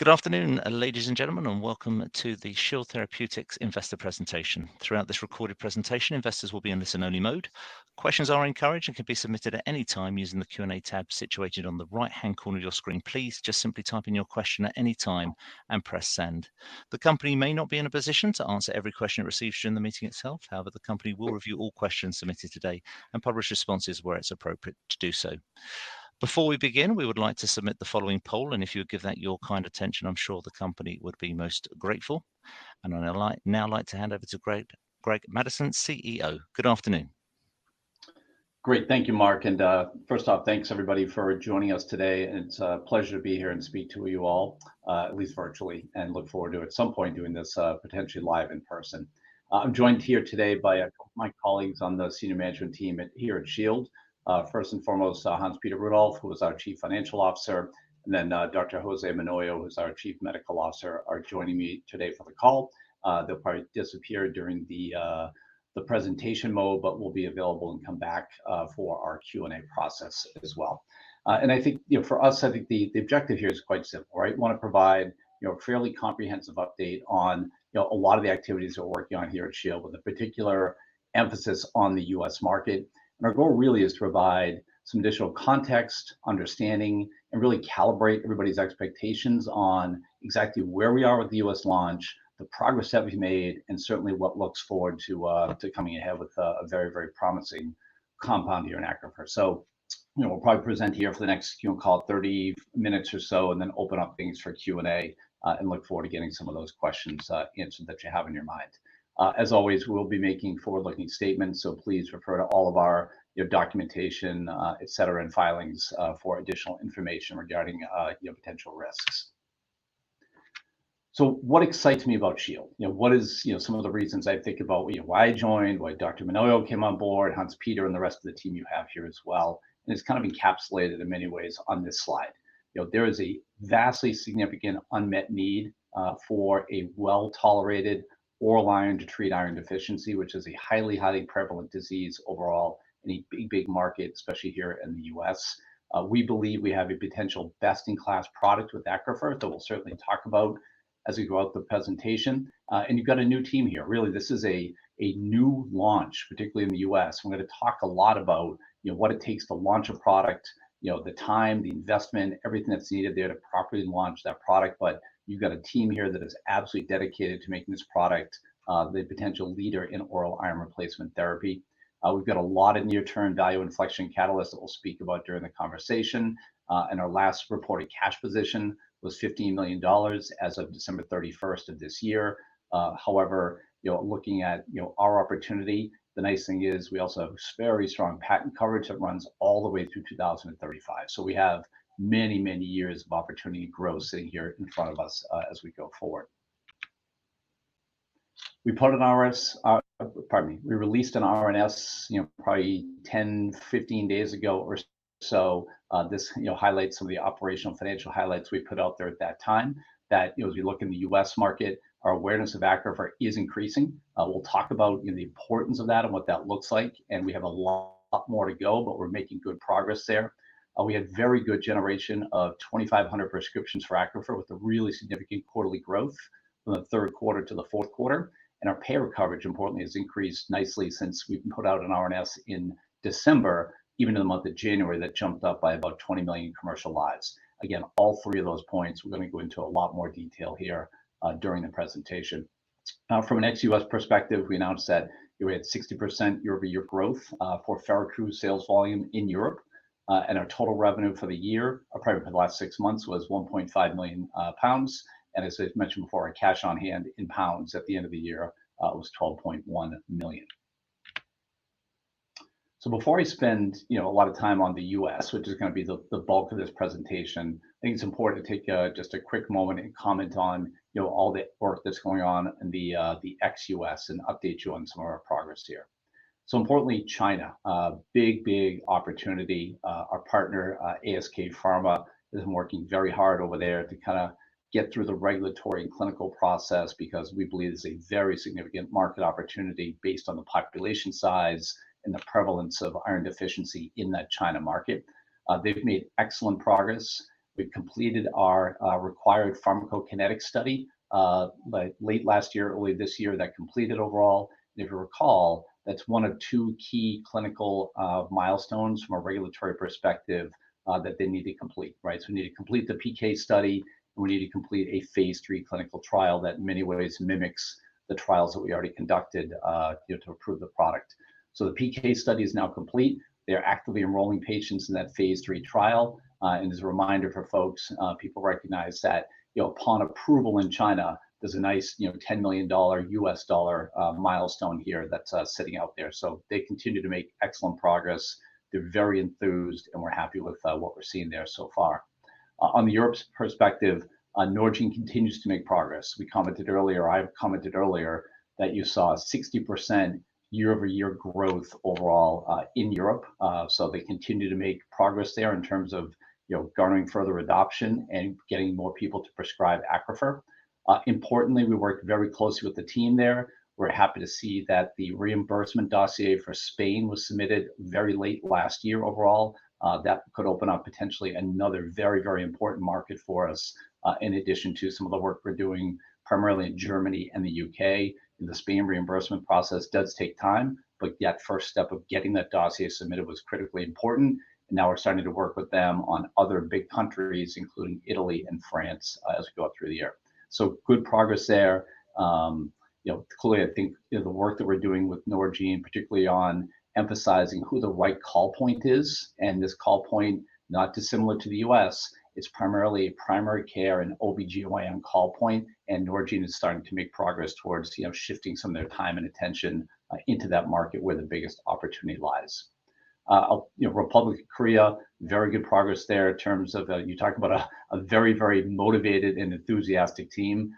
Good afternoon, ladies and gentlemen, and welcome to the Shield Therapeutics investor presentation. Throughout this recorded presentation, investors will be in listen-only mode. Questions are encouraged and can be submitted at any time using the Q&A tab situated on the right-hand corner of your screen. Please just simply type in your question at any time and press send. The company may not be in a position to answer every question it receives during the meeting itself. However, the company will review all questions submitted today and publish responses where it's appropriate to do so. Before we begin, we would like to submit the following poll, and if you would give that your kind attention, I'm sure the company would be most grateful. I'd now like to hand over to Greg Madison, CEO. Good afternoon. Great. Thank you, Mark. First off, thanks everybody for joining us today. It's a pleasure to be here and speak to you all, at least virtually, and look forward to at some point doing this, potentially live in person. I'm joined here today by a couple of my colleagues on the senior management team at, here at Shield. First and foremost, Hans-Peter Rudolf, who is our Chief Financial Officer, and then, Dr. José Menoyo, who is our Chief Medical Officer, are joining me today for the call. They'll probably disappear during the presentation mode, but will be available and come back for our Q&A process as well. I think, you know, for us, I think the objective here is quite simple, right? We wanna provide, you know, a fairly comprehensive update on, you know, a lot of the activities we're working on here at Shield with a particular emphasis on the U.S. market. Our goal really is to provide some additional context, understanding, and really calibrate everybody's expectations on exactly where we are with the U.S. launch, the progress that we've made, and certainly what to look forward to coming ahead with a very promising compound here in ACCRUFeR. You know, we'll probably present here for the next, you know, call it 30 minutes or so, and then open up things for Q&A, and look forward to getting some of those questions answered that you have in your mind. As always, we'll be making forward-looking statements, so please refer to all of our documentation, et cetera, and filings, for additional information regarding, you know, potential risks. What excites me about Shield? You know, what is, you know, some of the reasons I think about, you know, why I joined, why Dr. Menoyo came on board, Hans-Peter and the rest of the team you have here as well, and it's kind of encapsulated in many ways on this slide. You know, there is a vastly significant unmet need, for a well-tolerated oral iron to treat iron deficiency, which is a highly prevalent disease overall in a big market, especially here in the U.S. We believe we have a potential best-in-class product with ACCRUFeR that we'll certainly talk about as we go through the presentation. You've got a new team here. Really, this is a new launch, particularly in the U.S. We're gonna talk a lot about, you know, what it takes to launch a product, you know, the time, the investment, everything that's needed there to properly launch that product. You've got a team here that is absolutely dedicated to making this product the potential leader in oral iron replacement therapy. We've got a lot of near-term value inflection catalysts that we'll speak about during the conversation. Our last reported cash position was $50 million as of December 31st of this year. However, you know, looking at, you know, our opportunity, the nice thing is we also have very strong patent coverage that runs all the way through 2035. We have many, many years of opportunity growth sitting here in front of us as we go forward. We released an RNS, you know, probably 10, 15 days ago or so. This, you know, highlights some of the operational financial highlights we put out there at that time, that, you know, as we look in the U.S. market, our awareness of ACCRUFeR is increasing. We'll talk about, you know, the importance of that and what that looks like, and we have a lot more to go, but we're making good progress there. We had very good generation of 2,500 prescriptions for ACCRUFeR with a really significant quarterly growth from the third quarter to the fourth quarter. Our payer coverage, importantly, has increased nicely since we put out an RNS in December, even in the month of January, that jumped up by about 20 million commercial lives. Again, all three of those points, we're gonna go into a lot more detail here during the presentation. From an ex-U.S. perspective, we announced that we had 60% year-over-year growth for FeRACCRU sales volume in Europe, and our total revenue for the year, or probably for the last six months, was 1.5 million pounds. As I mentioned before, our cash on hand in pounds at the end of the year was 12.1 million. Before I spend, you know, a lot of time on the U.S., which is gonna be the bulk of this presentation, I think it's important to take just a quick moment and comment on, you know, all the work that's going on in the ex-U.S. and update you on some of our progress here. Importantly, China, a big, big opportunity. Our partner, ASK Pharma, has been working very hard over there to kinda get through the regulatory and clinical process because we believe it's a very significant market opportunity based on the population size and the prevalence of iron deficiency in that China market. They've made excellent progress. We've completed our required pharmacokinetic study by late last year, early this year, that completed overall. If you recall, that's one of two key clinical milestones from a regulatory perspective that they need to complete, right? We need to complete the PK study, and we need to complete a phase III clinical trial that in many ways mimics the trials that we already conducted, you know, to approve the product. The PK study is now complete. They're actively enrolling patients in that phase III trial. As a reminder for folks, people recognize that, you know, upon approval in China, there's a nice, you know, $10 million U.S. dollar milestone here that's sitting out there. They continue to make excellent progress. They're very enthused, and we're happy with what we're seeing there so far. On the European perspective, Norgine continues to make progress. I've commented earlier that you saw 60% year-over-year growth overall in Europe. They continue to make progress there in terms of, you know, garnering further adoption and getting more people to prescribe ACCRUFeR. Importantly, we work very closely with the team there. We're happy to see that the reimbursement dossier for Spain was submitted very late last year overall. That could open up potentially another very, very important market for us in addition to some of the work we're doing primarily in Germany and the U.K. The Spain reimbursement process does take time, but that first step of getting that dossier submitted was critically important. Now we're starting to work with them on other big countries, including Italy and France, as we go through the year. Good progress there. You know, clearly, I think, you know, the work that we're doing with Norgine, particularly on emphasizing who the right call point is, and this call point, not dissimilar to the U.S., is primarily a primary care and OBGYN call point. Norgine is starting to make progress towards, you know, shifting some of their time and attention into that market where the biggest opportunity lies. You know, Republic of Korea, very good progress there in terms of, you talk about a very, very motivated and enthusiastic team.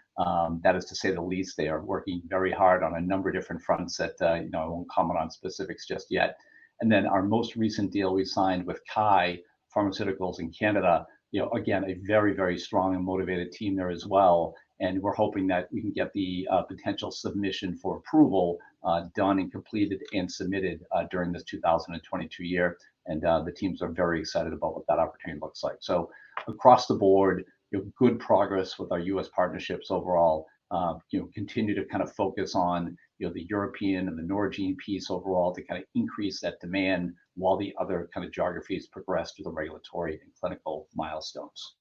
That is to say the least. They are working very hard on a number of different fronts that, you know, I won't comment on specifics just yet. Then our most recent deal we signed with Kye Pharmaceuticals in Canada, you know, again, a very, very strong and motivated team there as well. We're hoping that we can get the potential submission for approval done and completed and submitted during this 2022 year. The teams are very excited about what that opportunity looks like. Across the board, you know, good progress with our U.S. partnerships overall. You know, continue to kind of focus on, you know, the European and the Norgine piece overall to kind of increase that demand while the other kind of geographies progress through the regulatory and clinical milestones.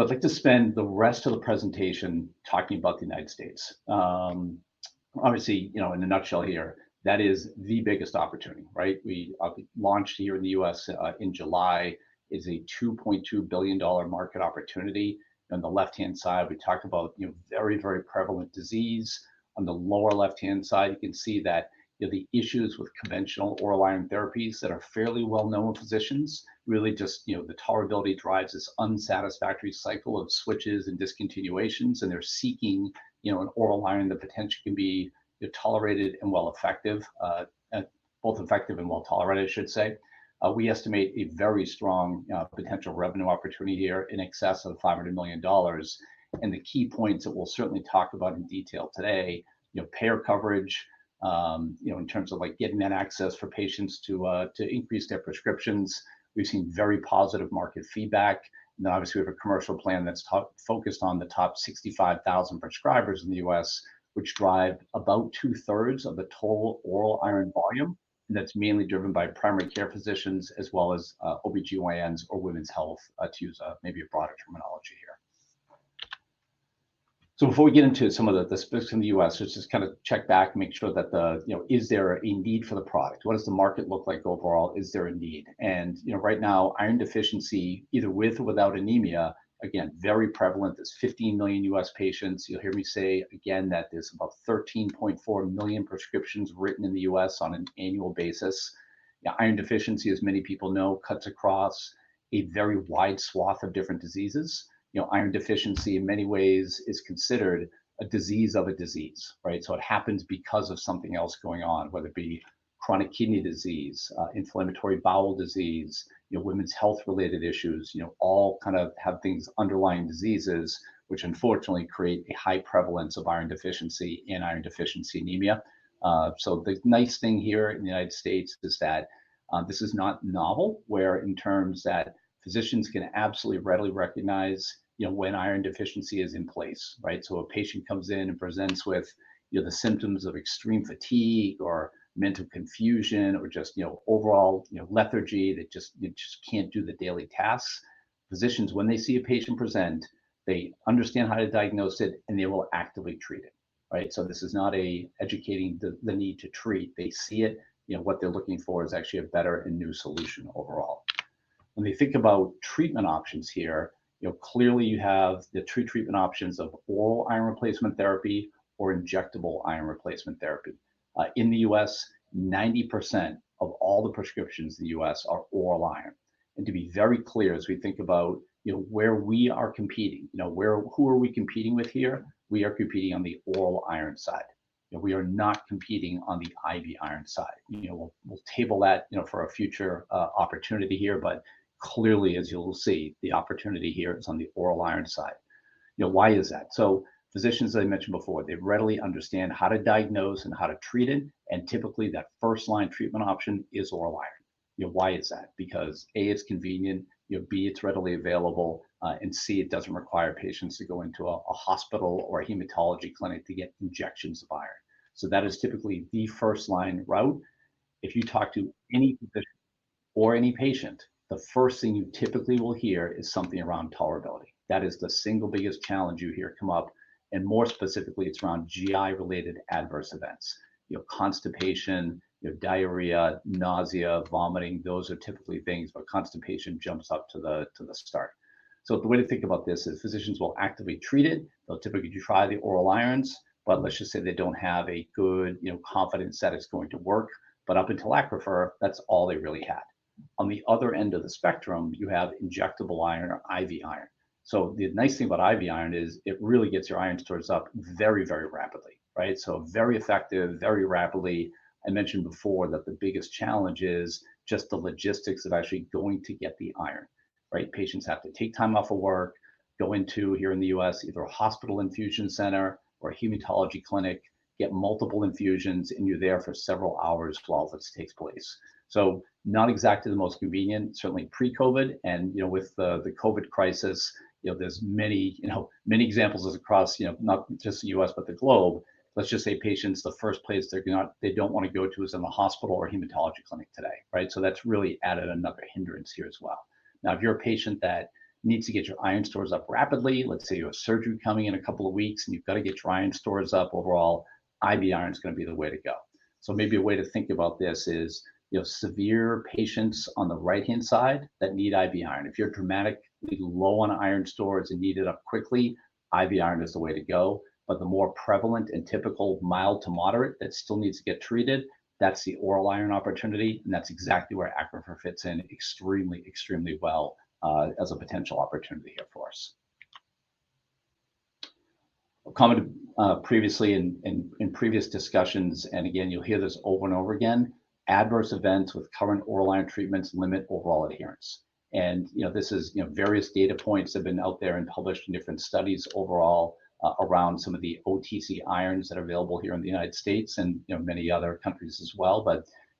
I'd like to spend the rest of the presentation talking about the United States. Obviously, you know, in a nutshell here, that is the biggest opportunity, right? We launched here in the U.S. in July. It's a $2.2 billion market opportunity. On the left-hand side, we talk about, you know, very, very prevalent disease. On the lower left-hand side, you can see that, you know, the issues with conventional oral iron therapies that are fairly well known with physicians, really just, you know, the tolerability drives this unsatisfactory cycle of switches and discontinuations, and they're seeking, you know, an oral iron that potentially can be tolerated and well effective, both effective and well-tolerated, I should say. We estimate a very strong potential revenue opportunity here in excess of $500 million. The key points that we'll certainly talk about in detail today, you know, payer coverage, you know, in terms of like getting that access for patients to increase their prescriptions. We've seen very positive market feedback. Obviously, we have a commercial plan that's focused on the top 65,000 prescribers in the U.S., which drive about two-thirds of the total oral iron volume, and that's mainly driven by primary care physicians as well as OBGYNs or women's health to use maybe a broader terminology here. Before we get into some of the specifics in the U.S., let's just kind of check back, make sure that, you know, is there a need for the product? What does the market look like overall? Is there a need? You know, right now, iron deficiency, either with or without anemia, again, very prevalent. There's 15 million U.S. patients. You'll hear me say again that there's about 13.4 million prescriptions written in the U.S. on an annual basis. Iron deficiency, as many people know, cuts across a very wide swath of different diseases. You know, iron deficiency, in many ways, is considered a disease of a disease, right? It happens because of something else going on, whether it be chronic kidney disease, inflammatory bowel disease, you know, women's health-related issues, you know, all kind of have these underlying diseases, which unfortunately create a high prevalence of iron deficiency and iron deficiency anemia. The nice thing here in the United States is that, this is not novel, where in terms that physicians can absolutely readily recognize, you know, when iron deficiency is in place, right? A patient comes in and presents with, you know, the symptoms of extreme fatigue or mental confusion or just, you know, overall, you know, lethargy. You just can't do the daily tasks. Physicians, when they see a patient present, they understand how to diagnose it, and they will actively treat it, right? This is not educating the need to treat. They see it. You know, what they're looking for is actually a better and new solution overall. When we think about treatment options here, you know, clearly you have the two treatment options of oral iron replacement therapy or injectable iron replacement therapy. In the U.S., 90% of all the prescriptions in the U.S. are oral iron. To be very clear, as we think about, you know, where we are competing, you know, who are we competing with here, we are competing on the oral iron side. You know, we are not competing on the IV iron side. You know, we'll table that, you know, for a future opportunity here. Clearly, as you'll see, the opportunity here is on the oral iron side. You know, why is that? Physicians, as I mentioned before, they readily understand how to diagnose and how to treat it, and typically that first-line treatment option is oral iron. You know, why is that? Because A, it's convenient, you know, B, it's readily available, and C, it doesn't require patients to go into a hospital or a hematology clinic to get injections of iron. That is typically the first-line route. If you talk to any physician or any patient, the first thing you typically will hear is something around tolerability. That is the single biggest challenge you hear come up, and more specifically, it's around GI-related adverse events. You know, constipation, you know, diarrhea, nausea, vomiting, those are typically things, but constipation jumps up to the start. The way to think about this is physicians will actively treat it. They'll typically try the oral irons, but let's just say they don't have a good, you know, confidence that it's going to work. Up until ACCRUFeR, that's all they really had. On the other end of the spectrum, you have injectable iron or IV iron. The nice thing about IV iron is it really gets your iron stores up very, very rapidly, right? Very effective, very rapidly. I mentioned before that the biggest challenge is just the logistics of actually going to get the iron right. Patients have to take time off of work, go in, here in the U.S., either a hospital infusion center or a hematology clinic, get multiple infusions, and you're there for several hours while this takes place. Not exactly the most convenient. Certainly pre-COVID and you know, with the COVID crisis, you know, there's many examples across, you know, not just the U.S. but the globe. Let's just say patients, the first place they don't want to go to is in the hospital or hematology clinic today. Right? So that's really added another hindrance here as well. Now, if you're a patient that needs to get your iron stores up rapidly, let's say you have surgery coming in a couple of weeks and you've got to get your iron stores up. Overall IV iron is going to be the way to go. So maybe a way to think about this is, you know, severe patients on the right hand side that need IV iron. If you're dramatically low on iron stores and need it up quickly, IV iron is the way to go. The more prevalent and typical mild to moderate that still needs to get treated, that's the oral iron opportunity. That's exactly where ACCRUFeR fits in extremely well as a potential opportunity here for us. I've commented previously in previous discussions and again, you'll hear this over and over again. Adverse events with current oral iron treatments limit overall adherence. You know, this is, you know, various data points have been out there and published in different studies overall around some of the OTC irons that are available here in the United States and, you know, many other countries as well.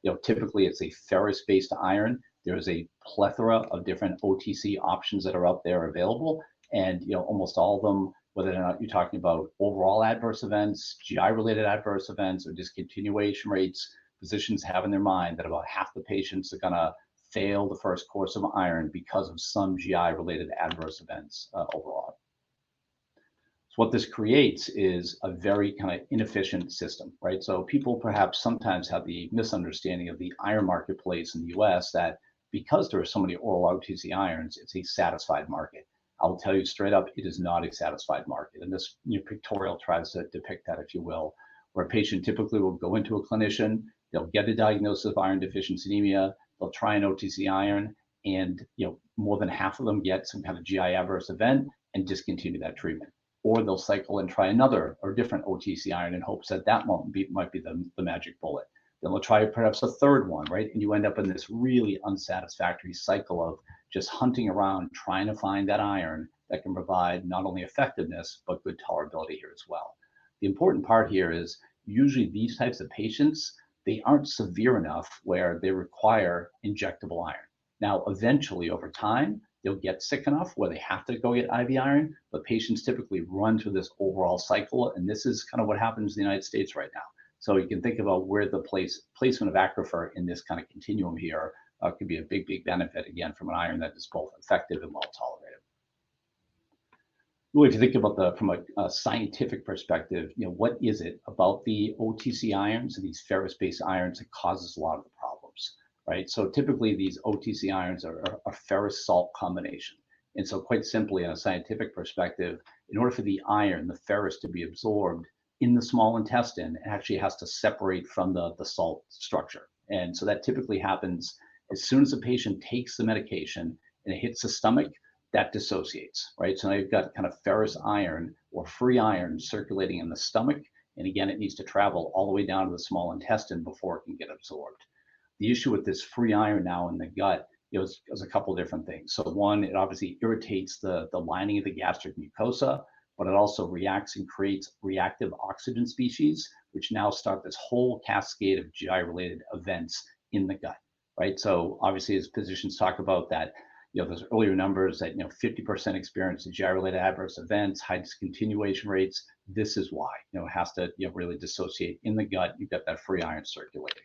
You know, typically it's a ferrous-based iron. There is a plethora of different OTC options that are out there available. You know, almost all of them, whether or not you're talking about overall adverse events, GI-related adverse events or discontinuation rates, physicians have in their mind that about half the patients are going to fail the first course of iron because of some GI-related adverse events overall. What this creates is a very kind of inefficient system, right? People perhaps sometimes have the misunderstanding of the iron marketplace in the U.S. that because there are so many oral OTC irons, it's a satisfied market. I'll tell you straight up, it is not a satisfied market. This pictorial tries to depict that, if you will, where a patient typically will go into a clinician, they'll get a diagnosis of iron-deficiency anemia. They'll try an OTC iron and you know more than half of them get some kind of GI adverse event and discontinue that treatment. They'll cycle and try another or different OTC iron in hopes that that might be the magic bullet. We'll try perhaps a third one, right? You end up in this really unsatisfactory cycle of just hunting around, trying to find that iron that can provide not only effectiveness but good tolerability here as well. The important part here is usually these types of patients, they aren't severe enough where they require injectable iron. Eventually over time, they'll get sick enough where they have to go get IV iron. Patients typically run through this overall cycle, and this is kind of what happens in the United States right now. You can think about where the placement of ACCRUFeR in this kind of continuum here could be a big, big benefit, again, from an iron that is both effective and well tolerated. If you think about it from a scientific perspective, you know, what is it about the OTC irons or these ferrous-based irons that causes a lot of the problems, right. Typically these OTC irons are a ferrous salt combination. Quite simply from a scientific perspective, in order for the iron, the ferrous to be absorbed in the small intestine, it actually has to separate from the salt structure. That typically happens as soon as the patient takes the medication and it hits the stomach that dissociates. Right. Now you've got kind of ferrous iron or free iron circulating in the stomach. It needs to travel all the way down to the small intestine before it can get absorbed. The issue with this free iron now in the gut, you know, is a couple of different things. One, it obviously irritates the lining of the gastric mucosa, but it also reacts and creates reactive oxygen species which now start this whole cascade of GI-related events in the gut. Right. Obviously as physicians talk about that, you know, those earlier numbers that, you know, 50% experience in GI-related adverse events, high discontinuation rates. This is why, you know, it has to really dissociate in the gut. You've got that free iron circulating.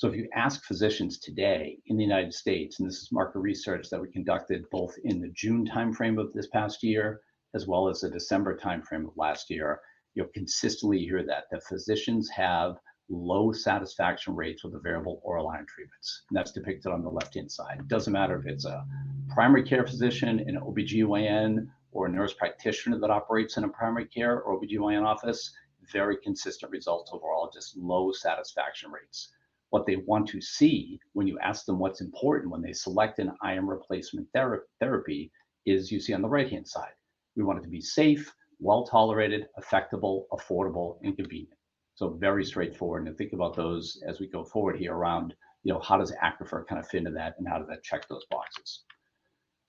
If you ask physicians today in the United States and this is market research that we conducted both in the June timeframe of this past year as well as the December timeframe of last year, you'll consistently hear that the physicians have low satisfaction rates with available oral iron treatments. That's depicted on the left hand side. It doesn't matter if it's a primary care physician, an OBGYN or a nurse practitioner that operates in a primary care OBGYN office. Very consistent results overall, just low satisfaction rates. What they want to see when you ask them what's important when they select an iron replacement therapy is you see on the right hand side we want it to be safe, well tolerated, effective, affordable and convenient. Very straightforward. Think about those as we go forward here around, you know, how does ACCRUFeR kind of fit into that and how does that check those boxes.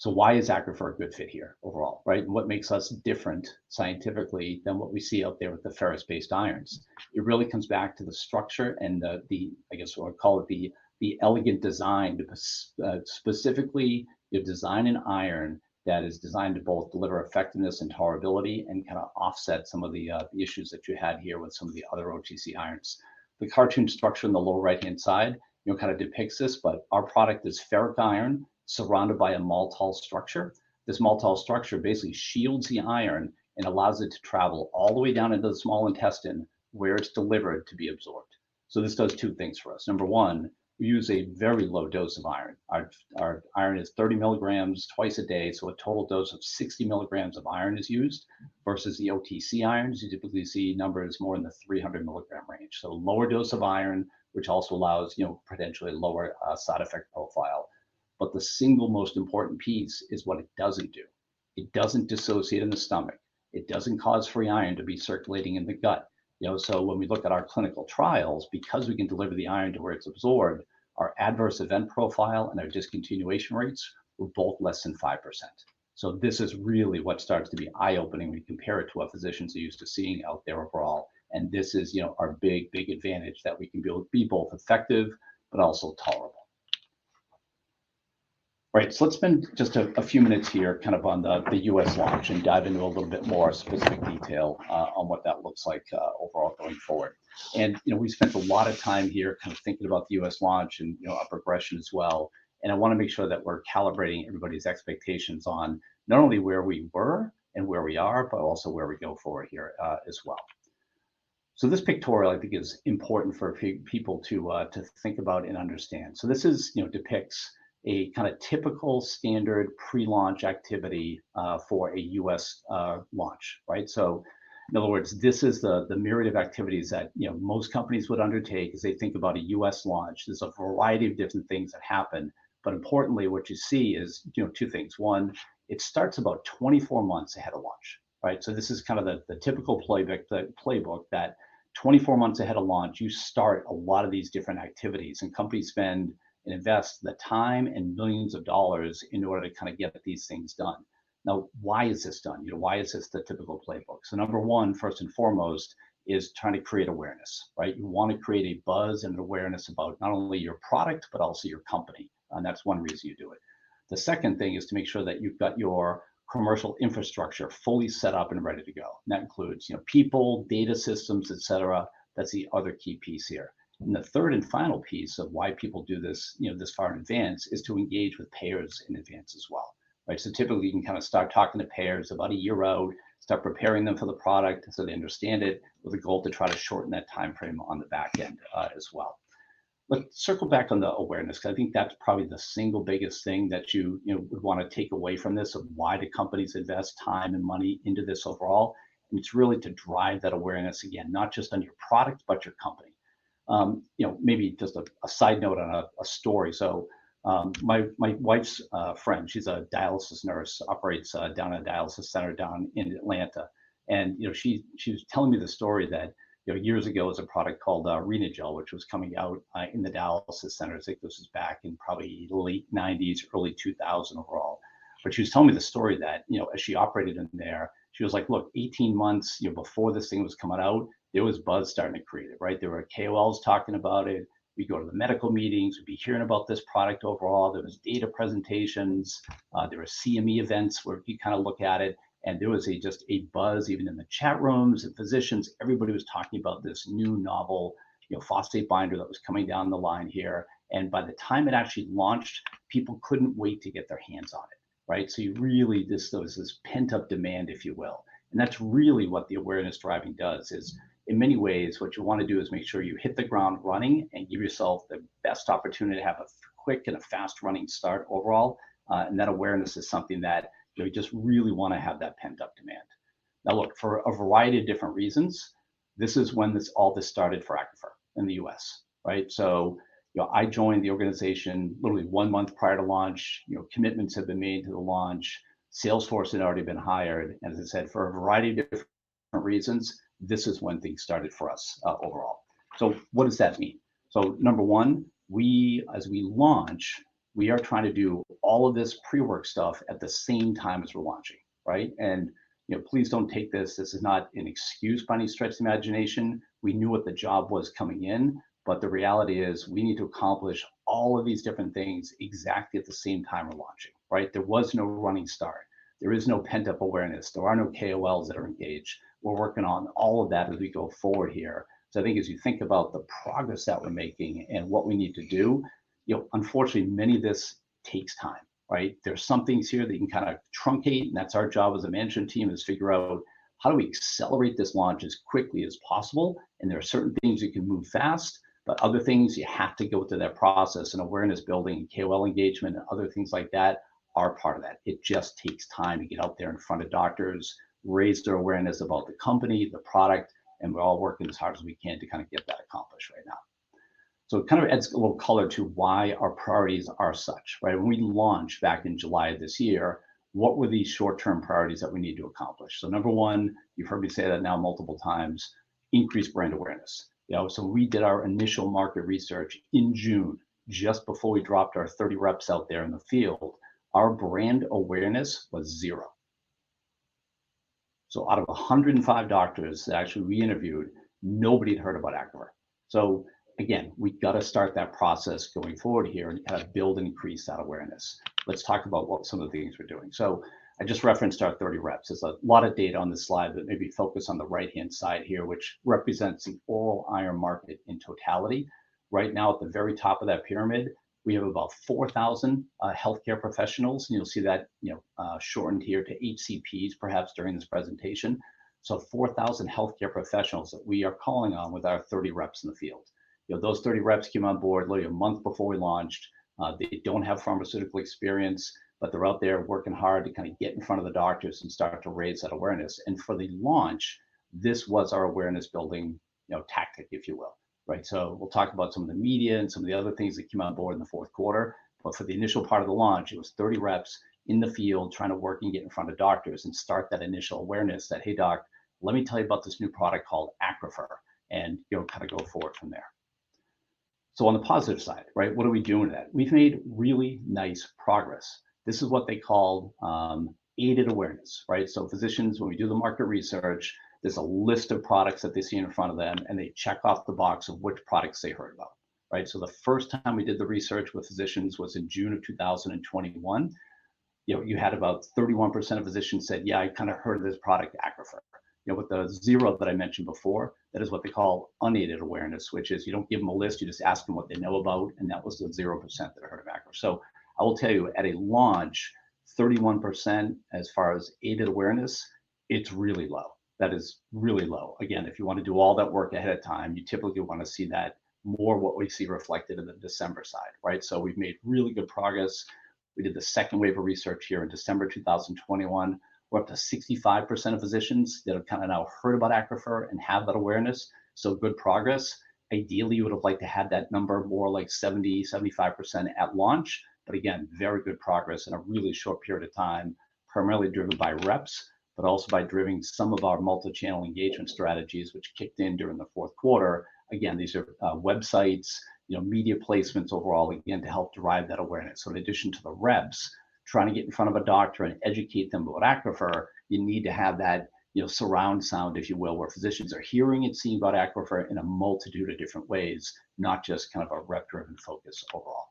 Why is ACCRUFeR a good fit here overall? Right. What makes us different scientifically than what we see out there with the ferrous-based irons? It really comes back to the structure and the I guess we'll call it the elegant design to specifically you design an iron that is designed to both deliver effectiveness and tolerability and kind of offset some of the issues that you had here with some of the other OTC irons. The cartoon structure in the lower right hand side, you know, kind of depicts this, but our product is ferric iron surrounded by a maltol structure. This maltol structure basically shields the iron and allows it to travel all the way down into the small intestine where it's delivered to be absorbed. This does two things for us. Number one, we use a very low dose of iron. Our iron is 30 mg twice a day, so a total dose of 60 mg of iron is used versus the OTC irons. You typically see numbers more in the 300 mg range. Lower dose of iron, which also allows, you know, potentially lower side effect profile. The single most important piece is what it doesn't do. It doesn't dissociate in the stomach. It doesn't cause free iron to be circulating in the gut, you know. When we look at our clinical trials, because we can deliver the iron to where it's absorbed, our adverse event profile and our discontinuation rates were both less than 5%. This is really what starts to be eye-opening when you compare it to what physicians are used to seeing out there overall, and this is, you know, our big advantage that we can be both effective but also tolerable. Right. Let's spend just a few minutes here kind of on the U.S. launch and dive into a little bit more specific detail on what that looks like overall going forward. You know, we spent a lot of time here kind of thinking about the U.S. launch and, you know, our progression as well. I wanna make sure that we're calibrating everybody's expectations on not only where we were and where we are, but also where we go forward here, as well. This pictorial I think is important for people to think about and understand. This is, you know, depicts a kinda typical standard pre-launch activity for a U.S. launch, right? In other words, this is the myriad of activities that, you know, most companies would undertake as they think about a U.S. launch. There's a variety of different things that happen, but importantly, what you see is, you know, two things. One, it starts about 24 months ahead of launch, right? This is kinda the typical playbook that 24 months ahead of launch, you start a lot of these different activities. Companies spend and invest the time and millions of dollars in order to kinda get these things done. Now, why is this done? You know, why is this the typical playbook? Number one, first and foremost, is trying to create awareness, right? You wanna create a buzz and an awareness about not only your product, but also your company, and that's one reason you do it. The second thing is to make sure that you've got your commercial infrastructure fully set up and ready to go. That includes, you know, people, data systems, et cetera. That's the other key piece here. The third and final piece of why people do this, you know, this far in advance is to engage with payers in advance as well, right? Typically, you can kinda start talking to payers about a year out, start preparing them for the product so they understand it, with a goal to try to shorten that timeframe on the back end, as well. Let's circle back on the awareness 'cause I think that's probably the single biggest thing that you you know would wanna take away from this of why do companies invest time and money into this overall, and it's really to drive that awareness, again, not just on your product, but your company. You know, maybe just a side note on a story. My wife's friend, she's a dialysis nurse, operates down at a dialysis center down in Atlanta. You know, she was telling me this story that, you know, years ago there was a product called Renagel, which was coming out in the dialysis centers. I think this was back in probably late nineties, early 2000 overall. She was telling me the story that, you know, as she operated in there, she was like, "Look, 18 months, you know, before this thing was coming out, there was buzz starting to create it," right? There were KOLs talking about it. We'd go to the medical meetings. We'd be hearing about this product overall. There was data presentations. There were CME events where you kinda look at it, and there was just a buzz even in the chat rooms, the physicians. Everybody was talking about this new novel, you know, phosphate binder that was coming down the line here. By the time it actually launched, people couldn't wait to get their hands on it, right? This, there was this pent-up demand, if you will. That's really what the awareness driving does is in many ways, what you wanna do is make sure you hit the ground running and give yourself the best opportunity to have a quick and a fast running start overall, and that awareness is something that, you know, you just really wanna have that pent-up demand. Now look, for a variety of different reasons, this is when all this started for ACCRUFeR in the U.S., right? You know, I joined the organization literally one month prior to launch. You know, commitments had been made to the launch. Sales force had already been hired. As I said, for a variety of different reasons, this is when things started for us, overall. What does that mean? Number one, we, as we launch, are trying to do all of this pre-work stuff at the same time as we're launching, right? You know, please don't take this as this is not an excuse by any stretch of the imagination. We knew what the job was coming in, but the reality is we need to accomplish all of these different things exactly at the same time we're launching, right? There was no running start. There is no pent-up awareness. There are no KOLs that are engaged. We're working on all of that as we go forward here. I think as you think about the progress that we're making and what we need to do, you know, unfortunately, many of this takes time, right? There's some things here that you can kinda truncate, and that's our job as a management team is figure out how do we accelerate this launch as quickly as possible. There are certain things you can move fast, but other things you have to go through that process and awareness building and KOL engagement and other things like that are part of that. It just takes time to get out there in front of doctors, raise their awareness about the company, the product, and we're all working as hard as we can to kinda get that accomplished right now. It kind of adds a little color to why our priorities are such, right? When we launched back in July of this year, what were the short-term priorities that we need to accomplish? Number one, you've heard me say that now multiple times, increase brand awareness. You know, we did our initial market research in June, just before we dropped our 30 reps out there in the field. Our brand awareness was zero. Out of 105 doctors that actually we interviewed, nobody had heard about ACCRUFeR. Again, we gotta start that process going forward here and kind of build and increase that awareness. Let's talk about what some of the things we're doing. I just referenced our 30 reps. There's a lot of data on this slide, but maybe focus on the right-hand side here, which represents the oral iron market in totality. Right now at the very top of that pyramid, we have about 4,000 healthcare professionals, and you'll see that, you know, shortened here to HCPs perhaps during this presentation. Four thousand healthcare professionals that we are calling on with our 30 reps in the field. You know, those 30 reps came on board literally a month before we launched. They don't have pharmaceutical experience, but they're out there working hard to kinda get in front of the doctors and start to raise that awareness. For the launch, this was our awareness building, you know, tactic, if you will. Right? We'll talk about some of the media and some of the other things that came on board in the fourth quarter, but for the initial part of the launch, it was 30 reps in the field trying to work and get in front of doctors and start that initial awareness that, "Hey, doc, let me tell you about this new product called ACCRUFeR," and, you know, kind of go forward from there. On the positive side, right, what are we doing with that? We've made really nice progress. This is what they call aided awareness, right? Physicians, when we do the market research, there's a list of products that they see in front of them, and they check off the box of which products they heard about, right? The first time we did the research with physicians was in June of 2021. You know, you had about 31% of physicians said, "Yeah, I kind of heard of this product, ACCRUFeR." You know, with the zero that I mentioned before, that is what they call unaided awareness, which is you don't give them a list, you just ask them what they know about, and that was the 0% that heard of ACCRUFeR. I will tell you, at a launch, 31% as far as aided awareness, it's really low. That is really low. Again, if you want to do all that work ahead of time, you typically want to see that more what we see reflected in the December side, right? We've made really good progress. We did the second wave of research here in December 2021. We're up to 65% of physicians that have kind of now heard about ACCRUFeR and have that awareness, so good progress. Ideally, you would have liked to have that number more like 70%, 75% at launch. Again, very good progress in a really short period of time, primarily driven by reps, but also by driving some of our multichannel engagement strategies which kicked in during the fourth quarter. Again, these are websites, you know, media placements overall, again, to help drive that awareness. In addition to the reps trying to get in front of a doctor and educate them about ACCRUFeR, you need to have that, you know, surround sound, if you will, where physicians are hearing and seeing about ACCRUFeR in a multitude of different ways, not just kind of a rep-driven focus overall.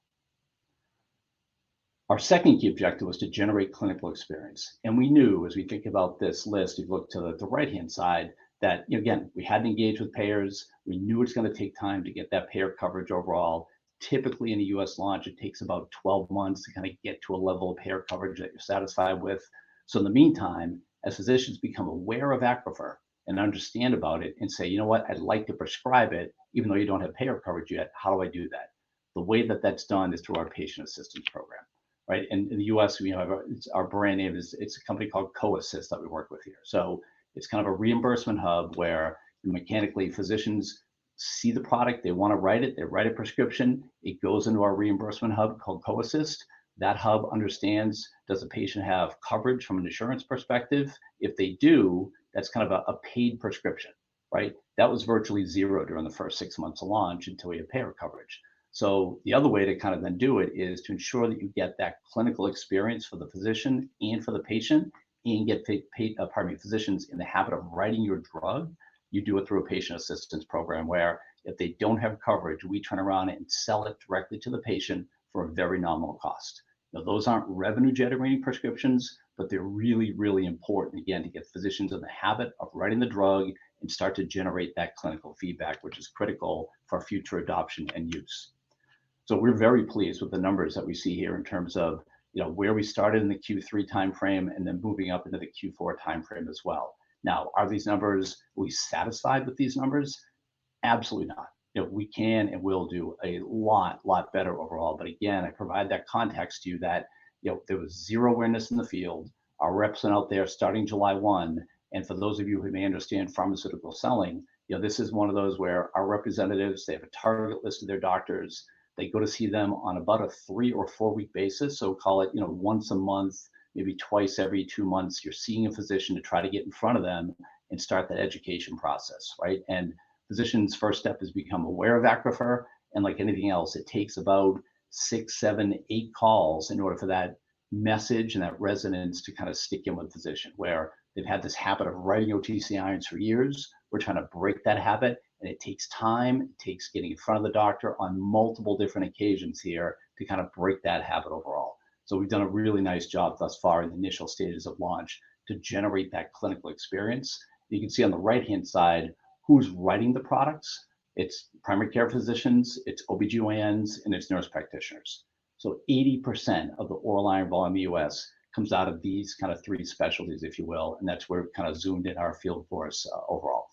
Our second key objective was to generate clinical experience. We knew as we think about this list, you look to the right-hand side, that, you know, again, we hadn't engaged with payers. We knew it's gonna take time to get that payer coverage overall. Typically, in a U.S. launch, it takes about 12 months to kind of get to a level of payer coverage that you're satisfied with. In the meantime, as physicians become aware of ACCRUFeR and understand about it and say, "You know what? I'd like to prescribe it, even though you don't have payer coverage yet. How do I do that?" The way that that's done is through our patient assistance program, right? In the U.S., we have our. It's a company called CoAssist that we work with here. It's kind of a reimbursement hub where mechanically physicians see the product, they want to write it, they write a prescription, it goes into our reimbursement hub called CoAssist. That hub understands, does a patient have coverage from an insurance perspective? If they do, that's kind of a paid prescription, right? That was virtually zero during the first six months of launch until we had payer coverage. The other way to kind of then do it is to ensure that you get that clinical experience for the physician and for the patient and get physicians in the habit of writing your drug. You do it through a patient assistance program where if they don't have coverage, we turn around and sell it directly to the patient for a very nominal cost. Now, those aren't revenue-generating prescriptions, but they're really, really important, again, to get physicians in the habit of writing the drug and start to generate that clinical feedback, which is critical for future adoption and use. We're very pleased with the numbers that we see here in terms of, you know, where we started in the Q3 timeframe and then moving up into the Q4 timeframe as well. Now, are these numbers? Are we satisfied with these numbers? Absolutely not. You know, we can and will do a lot better overall. But again, I provide that context to you that, you know, there was zero awareness in the field. Our reps went out there starting July 1, and for those of you who may understand pharmaceutical selling, you know, this is one of those where our representatives, they have a target list of their doctors. They go to see them on about a three or four-week basis. Call it, you know, once a month, maybe twice every two months, you're seeing a physician to try to get in front of them and start that education process, right? Physician's first step is become aware of ACCRUFeR, and like anything else, it takes about six, seven, eight calls in order for that message and that resonance to kind of stick in with a physician, where they've had this habit of writing OTC irons for years. We're trying to break that habit, and it takes time. It takes getting in front of the doctor on multiple different occasions here to kind of break that habit overall. We've done a really nice job thus far in the initial stages of launch to generate that clinical experience. You can see on the right-hand side who's writing the products. It's primary care physicians, it's OBGYNs, and it's nurse practitioners. 80% of the oral iron volume in the U.S. comes out of these kind of three specialties, if you will, and that's where we've kind of zoomed in on our field force overall.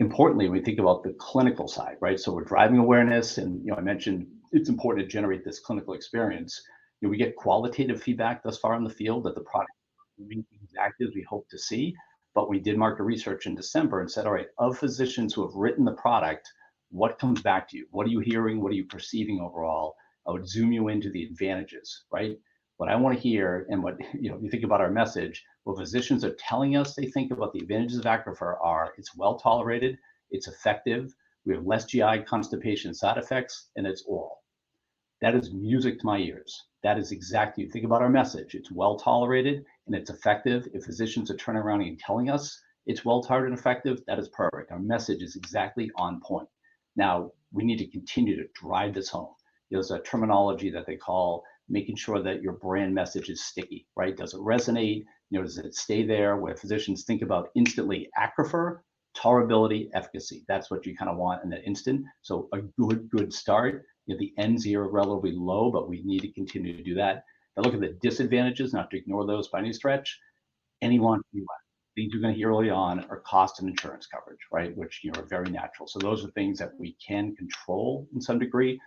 Importantly, we think about the clinical side, right? We're driving awareness and, you know, I mentioned it's important to generate this clinical experience. You know, we get qualitative feedback thus far in the field that the product is moving exactly as we hope to see. We did market research in December and said, "All right, of physicians who have written the product, what comes back to you? What are you hearing? What are you perceiving overall?" I would zoom in to the advantages, right? What I want to hear and what, you know, you think about our message, what physicians are telling us they think about the advantages of ACCRUFeR are it's well-tolerated, it's effective, we have less GI constipation side effects, and it's oral. That is music to my ears. That is exactly. You think about our message. It's well-tolerated, and it's effective. If physicians are turning around and telling us it's well-tolerated and effective, that is perfect. Our message is exactly on point. Now, we need to continue to drive this home. There's a terminology that they call making sure that your brand message is sticky, right? Does it resonate? You know, does it stay there? When physicians think about instantly ACCRUFeR, tolerability, efficacy. That's what you kind of want in that instant. A good start. You know, the N's here are relatively low, but we need to continue to do that. Now look at the disadvantages, not to ignore those by any stretch. Cost of insurance coverage right which, you know, very natural so those are things we can control in some degree.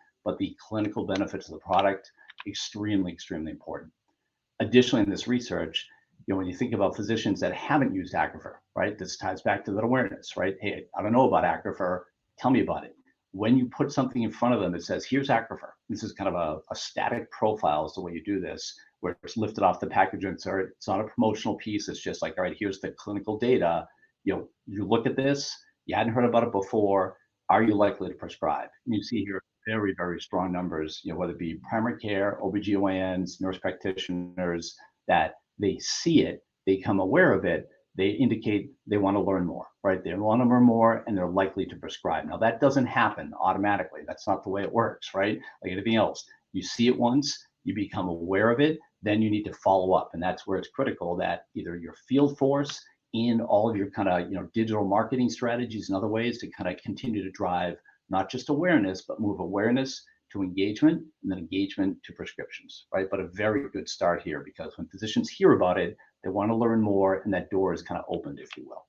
Additionally, in this research you know when you think about physicians that haven't used ACCRUFeR, right? This ties back to that awareness, right? "Hey, I don't know about ACCRUFeR. Tell me about it." When you put something in front of them that says, "Here's ACCRUFeR," this is kind of a static profile is the way you do this, where it's lifted off the package insert. It's not a promotional piece. It's just like, "All right, here's the clinical data. You know, you look at this. You hadn't heard about it before. Are you likely to prescribe?" You see here very, very strong numbers. You know, whether it be primary care, OBGYNs, nurse practitioners, that they see it, become aware of it, they indicate they wanna learn more, right? They wanna learn more, and they're likely to prescribe. Now, that doesn't happen automatically. That's not the way it works, right? Like anything else, you see it once, you become aware of it, then you need to follow up, and that's where it's critical that either your field force and all of your kinda, you know, digital marketing strategies and other ways to kinda continue to drive not just awareness, but move awareness to engagement and then engagement to prescriptions, right? But a very good start here, because when physicians hear about it, they wanna learn more, and that door is kinda opened, if you will.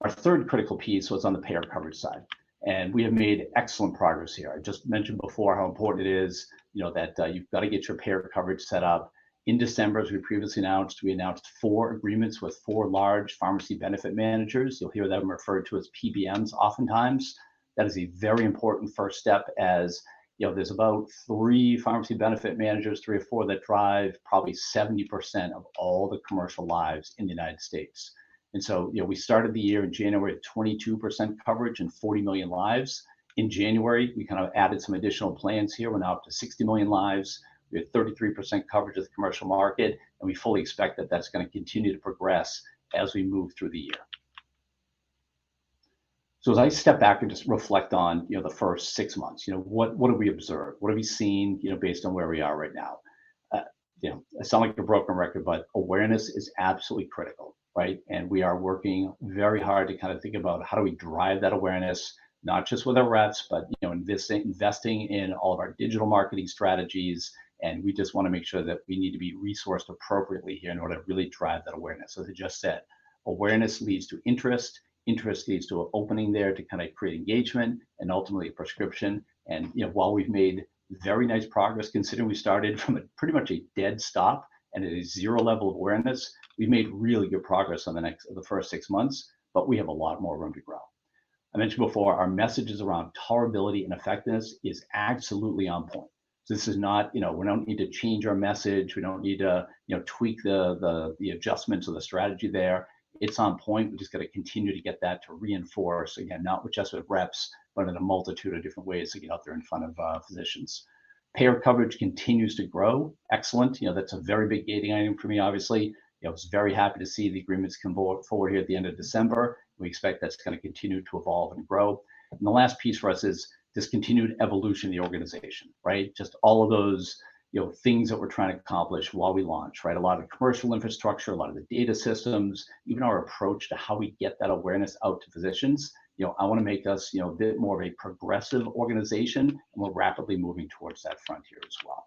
Our third critical piece was on the payer coverage side, and we have made excellent progress here. I just mentioned before how important it is, you know, that you've gotta get your payer coverage set up. In December, as we previously announced, we announced four agreements with four large pharmacy benefit managers. You'll hear them referred to as PBMs oftentimes. That is a very important first step as, you know, there's about three pharmacy benefit managers, three or four, that drive probably 70% of all the commercial lives in the United States. You know, we started the year in January at 22% coverage and 40 million lives. In January, we kind of added some additional plans here. We're now up to 60 million lives. We have 33% coverage of the commercial market, and we fully expect that that's gonna continue to progress as we move through the year. As I step back and just reflect on, you know, the first six months, you know, what did we observe? What have we seen, you know, based on where we are right now? I sound like a broken record, but awareness is absolutely critical, right? We are working very hard to kind of think about how do we drive that awareness, not just with our reps, but, you know, investing in all of our digital marketing strategies, and we just wanna make sure that we need to be resourced appropriately here in order to really drive that awareness. As I just said, awareness leads to interest leads to an opening there to kind of create engagement, and ultimately a prescription. You know, while we've made very nice progress considering we started from a pretty much a dead stop and at a zero level of awareness, we've made really good progress in the first six months, but we have a lot more room to grow. I mentioned before our messages around tolerability and effectiveness is absolutely on point. You know, we don't need to change our message. We don't need to, you know, tweak the adjustments or the strategy there. It's on point. We've just gotta continue to get that to reinforce. Again, not just with reps, but in a multitude of different ways to get out there in front of physicians. Payer coverage continues to grow. Excellent. You know, that's a very big gating item for me, obviously. You know, I was very happy to see the agreements come forward here at the end of December. We expect that's gonna continue to evolve and grow. The last piece for us is this continued evolution of the organization, right? Just all of those, you know, things that we're trying to accomplish while we launch, right? A lot of commercial infrastructure, a lot of the data systems, even our approach to how we get that awareness out to physicians. You know, I wanna make us, you know, a bit more of a progressive organization, and we're rapidly moving towards that frontier as well.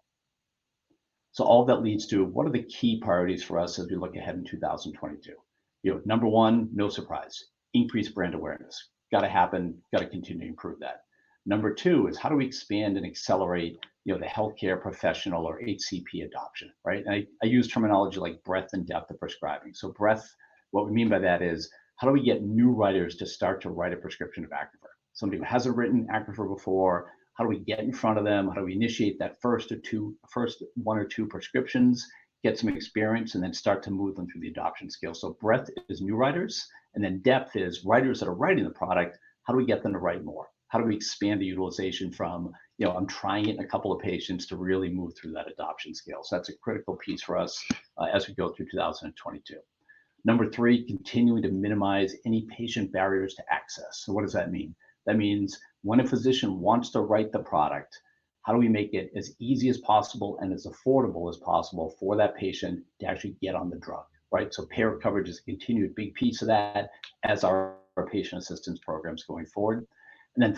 All that leads to what are the key priorities for us as we look ahead in 2022? You know, number one, no surprise. Increase brand awareness. Gotta happen. Gotta continue to improve that. Number two is how do we expand and accelerate, you know, the healthcare professional or HCP adoption, right? I use terminology like breadth and depth of prescribing. Breadth, what we mean by that is how do we get new writers to start to write a prescription of ACCRUFeR? Somebody who hasn't written ACCRUFeR before, how do we get in front of them? How do we initiate that first one or two prescriptions, get some experience, and then start to move them through the adoption scale? Breadth is new writers, and then depth is writers that are writing the product, how do we get them to write more? How do we expand the utilization from, you know, I'm trying it in a couple of patients, to really move through that adoption scale. That's a critical piece for us, as we go through 2022. Number three, continuing to minimize any patient barriers to access. What does that mean? That means when a physician wants to write the product, how do we make it as easy as possible and as affordable as possible for that patient to actually get on the drug, right? Payer coverage is a continued big piece of that as are our patient assistance programs going forward.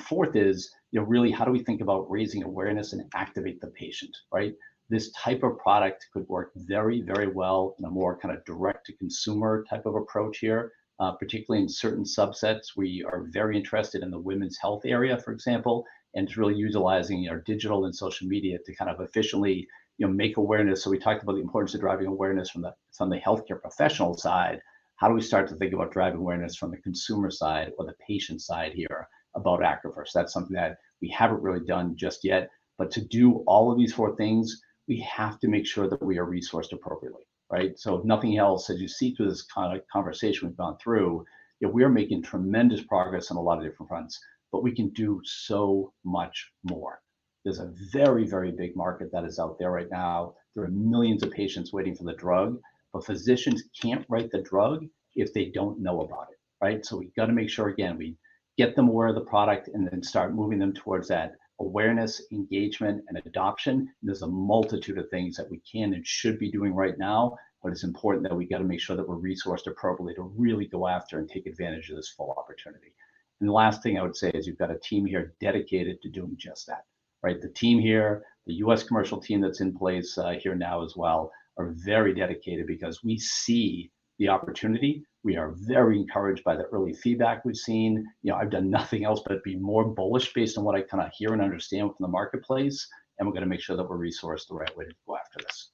Fourth is, you know, really how do we think about raising awareness and activate the patient, right? This type of product could work very, very well in a more kinda direct to consumer type of approach here, particularly in certain subsets. We are very interested in the women's health area, for example, and it's really utilizing our digital and social media to kind of officially, you know, make awareness. We talked about the importance of driving awareness from the healthcare professional side. How do we start to think about driving awareness from the consumer side or the patient side here about ACCRUFeR? That's something that we haven't really done just yet. To do all of these four things, we have to make sure that we are resourced appropriately, right? If nothing else, as you see through this kind of conversation we've gone through, you know, we are making tremendous progress on a lot of different fronts, but we can do so much more. There's a very, very big market that is out there right now. There are millions of patients waiting for the drug, but physicians can't write the drug if they don't know about it, right? So we've gotta make sure, again, we get them aware of the product and then start moving them towards that awareness, engagement, and adoption. There's a multitude of things that we can and should be doing right now, but it's important that we gotta make sure that we're resourced appropriately to really go after and take advantage of this full opportunity. The last thing I would say is we've got a team here dedicated to doing just that, right? The team here, the U.S. commercial team that's in place, here now as well, are very dedicated because we see the opportunity. We are very encouraged by the early feedback we've seen. You know, I've done nothing else but be more bullish based on what I kinda hear and understand from the marketplace, and we're gonna make sure that we're resourced the right way to go after this.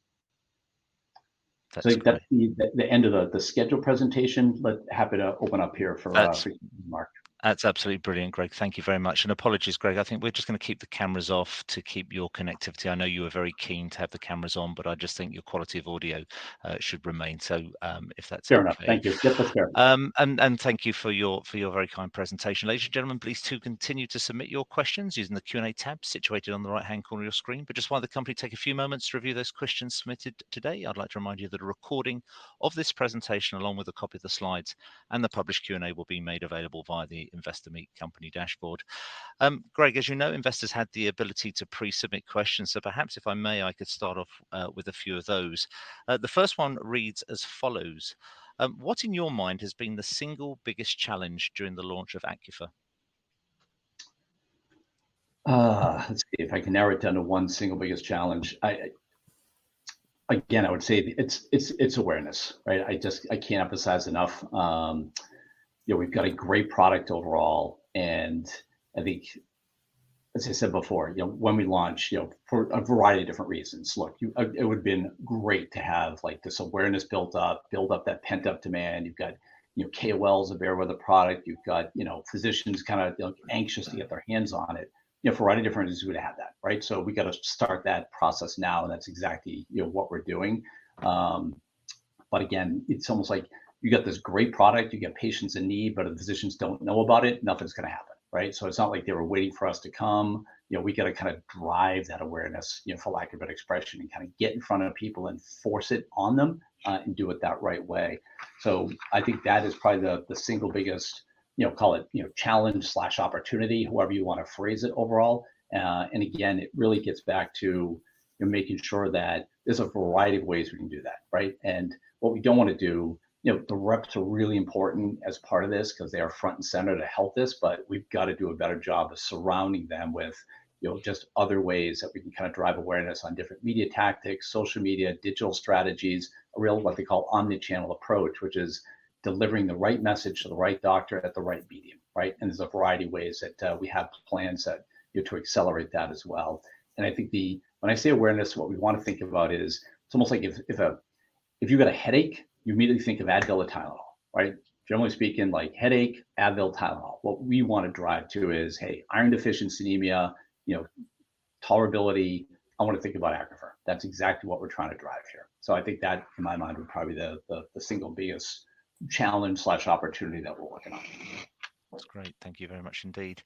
That's the end of the scheduled presentation, but happy to open up here for. That's. Mark. That's absolutely brilliant, Greg. Thank you very much, and apologies, Greg. I think we're just gonna keep the cameras off to keep your connectivity. I know you were very keen to have the cameras on, but I just think your quality of audio should remain. If that's okay. Fair enough. Thank you. Just up there. Thank you for your very kind presentation. Ladies and gentlemen, please do continue to submit your questions using the Q&A tab situated on the right-hand corner of your screen. Just while the company take a few moments to review those questions submitted today, I'd like to remind you that a recording of this presentation, along with a copy of the slides and the published Q&A, will be made available via the Investor Meet Company dashboard. Greg, as you know, investors had the ability to pre-submit questions. Perhaps, if I may, I could start off with a few of those. The first one reads as follows. What in your mind has been the single biggest challenge during the launch of ACCRUFeR? Let's see if I can narrow it down to one single biggest challenge. Again, I would say it's awareness, right? I just can't emphasize enough, you know, we've got a great product overall, and I think, as I said before, you know, when we launch, you know, for a variety of different reasons, it would've been great to have, like, this awareness built up, build up that pent-up demand. You've got, you know, KOLs aware of the product. You've got, you know, physicians kinda, like, anxious to get their hands on it. You know, for a variety of different reasons we would have that, right? So we gotta start that process now, and that's exactly, you know, what we're doing. Again, it's almost like you got this great product, you got patients in need, but if physicians don't know about it, nothing's gonna happen, right? It's not like they were waiting for us to come. You know, we gotta kinda drive that awareness, you know, for lack of a better expression, and kinda get in front of people and force it on them, and do it that right way. I think that is probably the single biggest, you know, call it, you know, challenge/opportunity, however you wanna phrase it overall. It really gets back to, you know, making sure that there's a variety of ways we can do that, right? What we don't wanna do, you know, the reps are really important as part of this 'cause they are front and center to help this, but we've gotta do a better job of surrounding them with, you know, just other ways that we can kinda drive awareness on different media tactics, social media, digital strategies. A real, what they call omnichannel approach, which is delivering the right message to the right doctor at the right medium, right? There's a variety of ways that we have plans that, you know, to accelerate that as well. I think when I say awareness, what we wanna think about is it's almost like if you've got a headache, you immediately think of Advil or Tylenol, right? Generally speaking, like headache, Advil, Tylenol. What we wanna drive to is, hey, iron-deficiency anemia, you know, tolerability, I wanna think about ACCRUFeR. That's exactly what we're trying to drive here. I think that, in my mind, would probably be the single biggest challenge/opportunity that we're working on. That's great. Thank you very much indeed.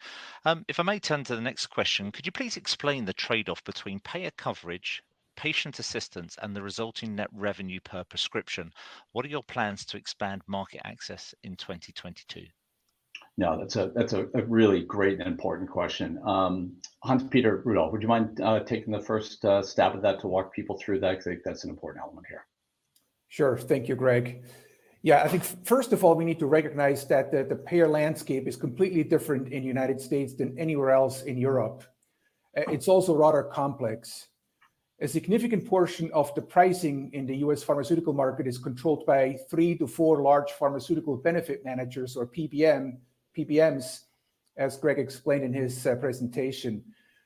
If I may turn to the next question. Could you please explain the trade-off between payer coverage, patient assistance, and the resulting net revenue per prescription? What are your plans to expand market access in 2022? Now that's a really great and important question. Hans-Peter Rudolf, would you mind taking the first stab at that to walk people through that? 'Cause I think that's an important element here. Sure. Thank you, Greg. Yeah, I think first of all, we need to recognize that the payer landscape is completely different in United States than anywhere else in Europe. It's also rather complex. A significant portion of the pricing in the U.S. pharmaceutical market is controlled by three-four large pharmaceutical benefit managers or PBMs, as Greg explained in his presentation.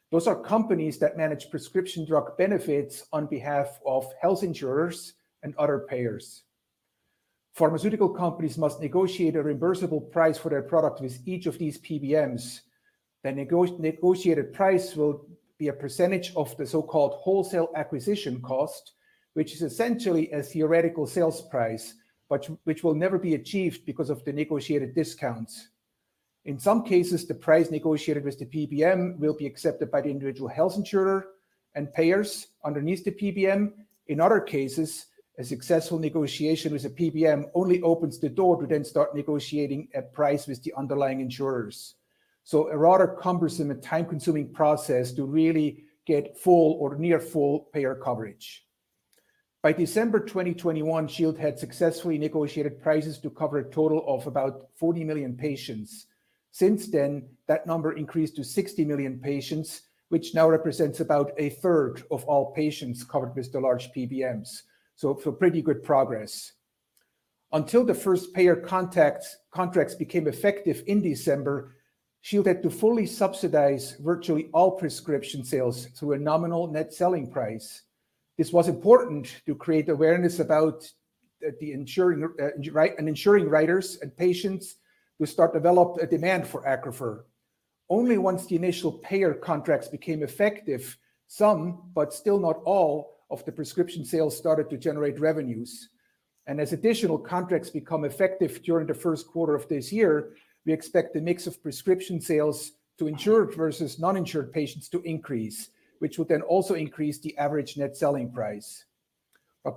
Those are companies that manage prescription drug benefits on behalf of health insurers and other payers. Pharmaceutical companies must negotiate a net price for their product with each of these PBMs. The negotiated price will be a percentage of the so-called wholesale acquisition cost, which is essentially a theoretical sales price but which will never be achieved because of the negotiated discounts. In some cases, the price negotiated with the PBM will be accepted by the individual health insurer and payers underneath the PBM. In other cases, a successful negotiation with a PBM only opens the door to then start negotiating a price with the underlying insurers. A rather cumbersome and time-consuming process to really get full or near full payer coverage. By December 2021, Shield had successfully negotiated prices to cover a total of about 40 million patients. Since then, that number increased to 60 million patients, which now represents about 1/3 of all patients covered with the large PBMs, so far, pretty good progress. Until the first payer contracts became effective in December, Shield had to fully subsidize virtually all prescription sales to a nominal net selling price. This was important to create awareness about and ensuring writers and patients to start developing a demand for ACCRUFeR. Only once the initial payer contracts became effective, some, but still not all, of the prescription sales started to generate revenues. As additional contracts become effective during the first quarter of this year, we expect the mix of prescription sales to insured versus non-insured patients to increase, which would then also increase the average net selling price.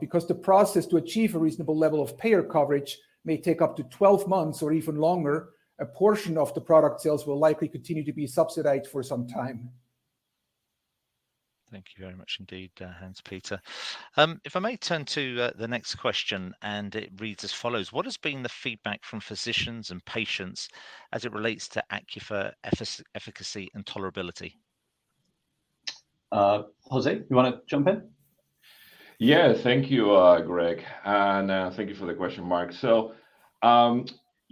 Because the process to achieve a reasonable level of payer coverage may take up to 12 months or even longer, a portion of the product sales will likely continue to be subsidized for some time. Thank you very much indeed, Hans-Peter. If I may turn to the next question, and it reads as follows: What has been the feedback from physicians and patients as it relates to ACCRUFeR efficacy and tolerability? José, you wanna jump in? Yeah. Thank you, Greg, and thank you for the question, Mark. So,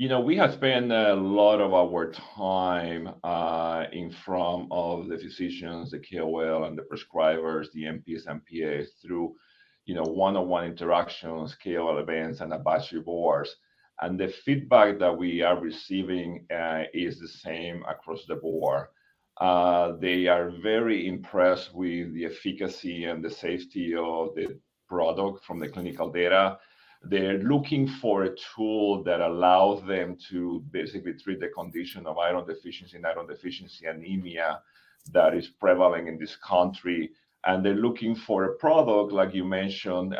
you know, we have spent a lot of our time in front of the physicians, the KOL, and the prescribers, the NPs, PAs through, you know, one-on-one interactions, KOL events, and advisory boards. The feedback that we are receiving is the same across the board. They are very impressed with the efficacy and the safety of the product from the clinical data. They're looking for a tool that allows them to basically treat the condition of iron deficiency, iron deficiency anemia that is prevailing in this country, and they're looking for a product, like you mentioned,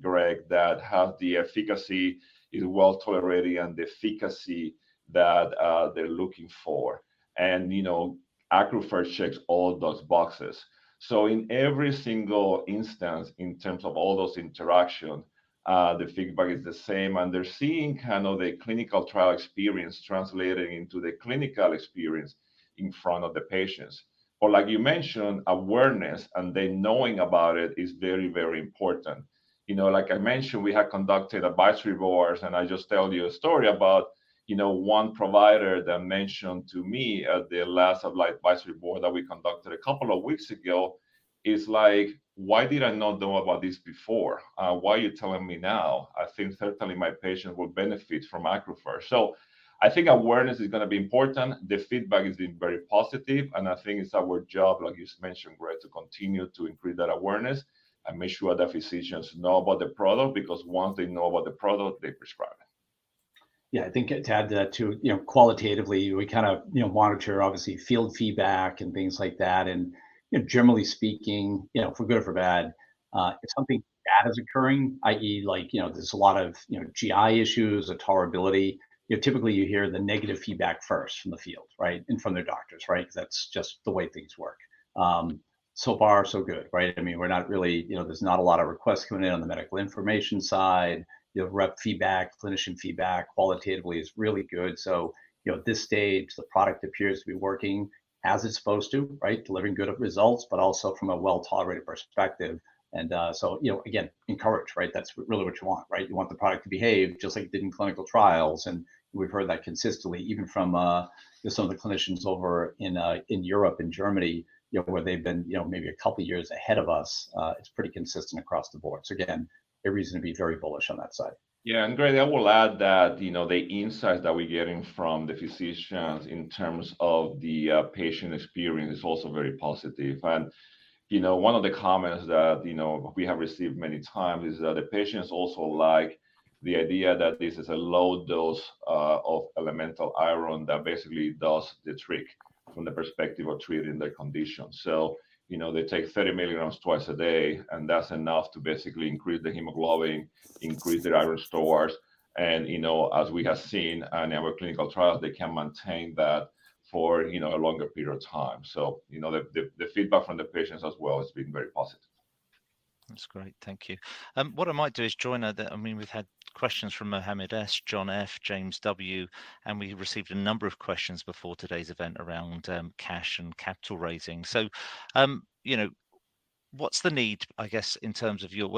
Greg, that have the efficacy, is well-tolerated, and the efficacy that they're looking for. You know, ACCRUFeR checks all those boxes. In every single instance in terms of all those interactions, the feedback is the same, and they're seeing kind of the clinical trial experience translating into the clinical experience in front of the patients. Like you mentioned, awareness and then knowing about it is very, very important. You know, like I mentioned, we have conducted advisory boards, and I just told you a story about, you know, one provider that mentioned to me at the last, like, advisory board that we conducted a couple of weeks ago is like, "Why did I not know about this before? Why are you telling me now? I think certainly my patients would benefit from ACCRUFeR." I think awareness is gonna be important. The feedback has been very positive, and I think it's our job, like you just mentioned, Greg, to continue to increase that awareness and make sure that physicians know about the product. Because once they know about the product, they prescribe it. Yeah. I think to add to that too, you know, qualitatively, we kind of, you know, monitor obviously field feedback and things like that. You know, generally speaking, you know, for good or for bad, if something bad is occurring, i.e. like, you know, there's a lot of, you know, GI issues, a tolerability, you know, typically you hear the negative feedback first from the field, right, and from their doctors, right? 'Cause that's just the way things work. So far so good, right? I mean, we're not really you know, there's not a lot of requests coming in on the medical information side. You know, rep feedback, clinician feedback qualitatively is really good. You know, at this stage, the product appears to be working as it's supposed to, right, delivering good results, but also from a well-tolerated perspective. you know, again, encouraged, right? That's really what you want, right? You want the product to behave just like it did in clinical trials, and we've heard that consistently even from, you know, some of the clinicians over in Europe, in Germany, you know, where they've been, maybe a couple years ahead of us. It's pretty consistent across the board. again, a reason to be very bullish on that side. Yeah. Greg, I will add that, you know, the insights that we're getting from the physicians in terms of the patient experience is also very positive. You know, one of the comments that, you know, we have received many times is that the patients also like the idea that this is a low dose of elemental iron that basically does the trick from the perspective of treating their condition. You know, they take 30 mg twice a day, and that's enough to basically increase the hemoglobin, increase their iron stores. You know, as we have seen in our clinical trials, they can maintain that for a longer period of time. You know, the feedback from the patients as well has been very positive. That's great. Thank you. We've had questions from Muhammad S., John F., James W., and we received a number of questions before today's event around cash and capital raising. You know, what's the need, I guess, in terms of your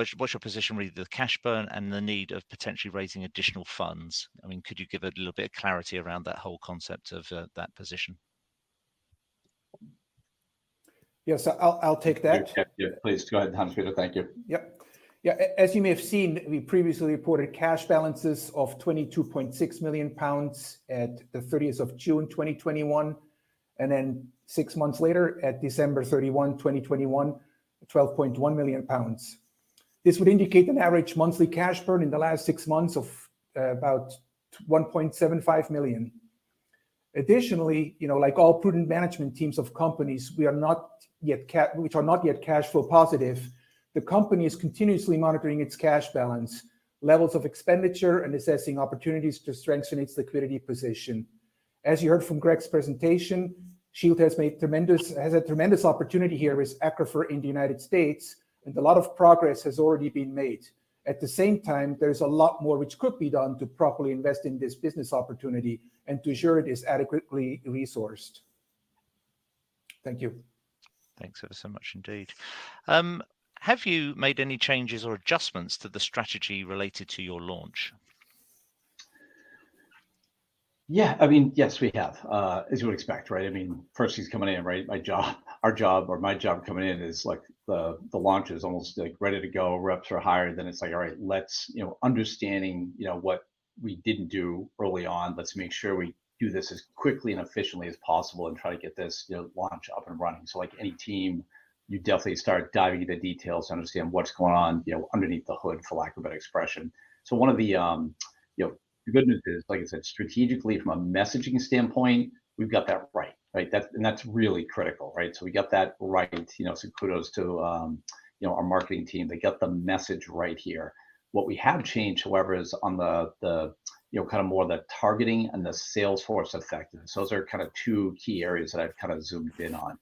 position really with cash burn and the need of potentially raising additional funds? I mean, could you give a little bit of clarity around that whole concept of that position? Yes, I'll take that. Yeah. Please go ahead, Hans-Peter. Thank you. Yeah. As you may have seen, we previously reported cash balances of 22.6 million pounds at the 30th of June 2021, and then six months later at December 31, 2021, 12.1 million pounds. This would indicate an average monthly cash burn in the last six months of about 1.75 million. Additionally, you know, like all prudent management teams of companies which are not yet cash flow positive, the company is continuously monitoring its cash balance, levels of expenditure, and assessing opportunities to strengthen its liquidity position. As you heard from Greg's presentation, Shield has a tremendous opportunity here with ACCRUFeR in the United States, and a lot of progress has already been made. At the same time, there's a lot more which could be done to properly invest in this business opportunity and to ensure it is adequately resourced. Thank you. Thanks ever so much indeed. Have you made any changes or adjustments to the strategy related to your launch? Yeah. I mean, yes, we have, as you would expect, right? I mean, first he's coming in, right? My job, our job or my job coming in is, like, the launch is almost, like, ready to go. Reps are hired. It's like, all right, let's understand what we didn't do early on, let's make sure we do this as quickly and efficiently as possible and try to get this launch up and running. Like any team, you definitely start diving into the details to understand what's going on, you know, underneath the hood, for lack of a better expression. One of the, you know, the good news is, like I said, strategically from a messaging standpoint, we've got that right? That's really critical, right? We got that right. You know, kudos to, you know, our marketing team. They got the message right here. What we have changed, however, is on the, you know, kind of more the targeting and the sales force effect. Those are kind of two key areas that I've kind of zoomed in on.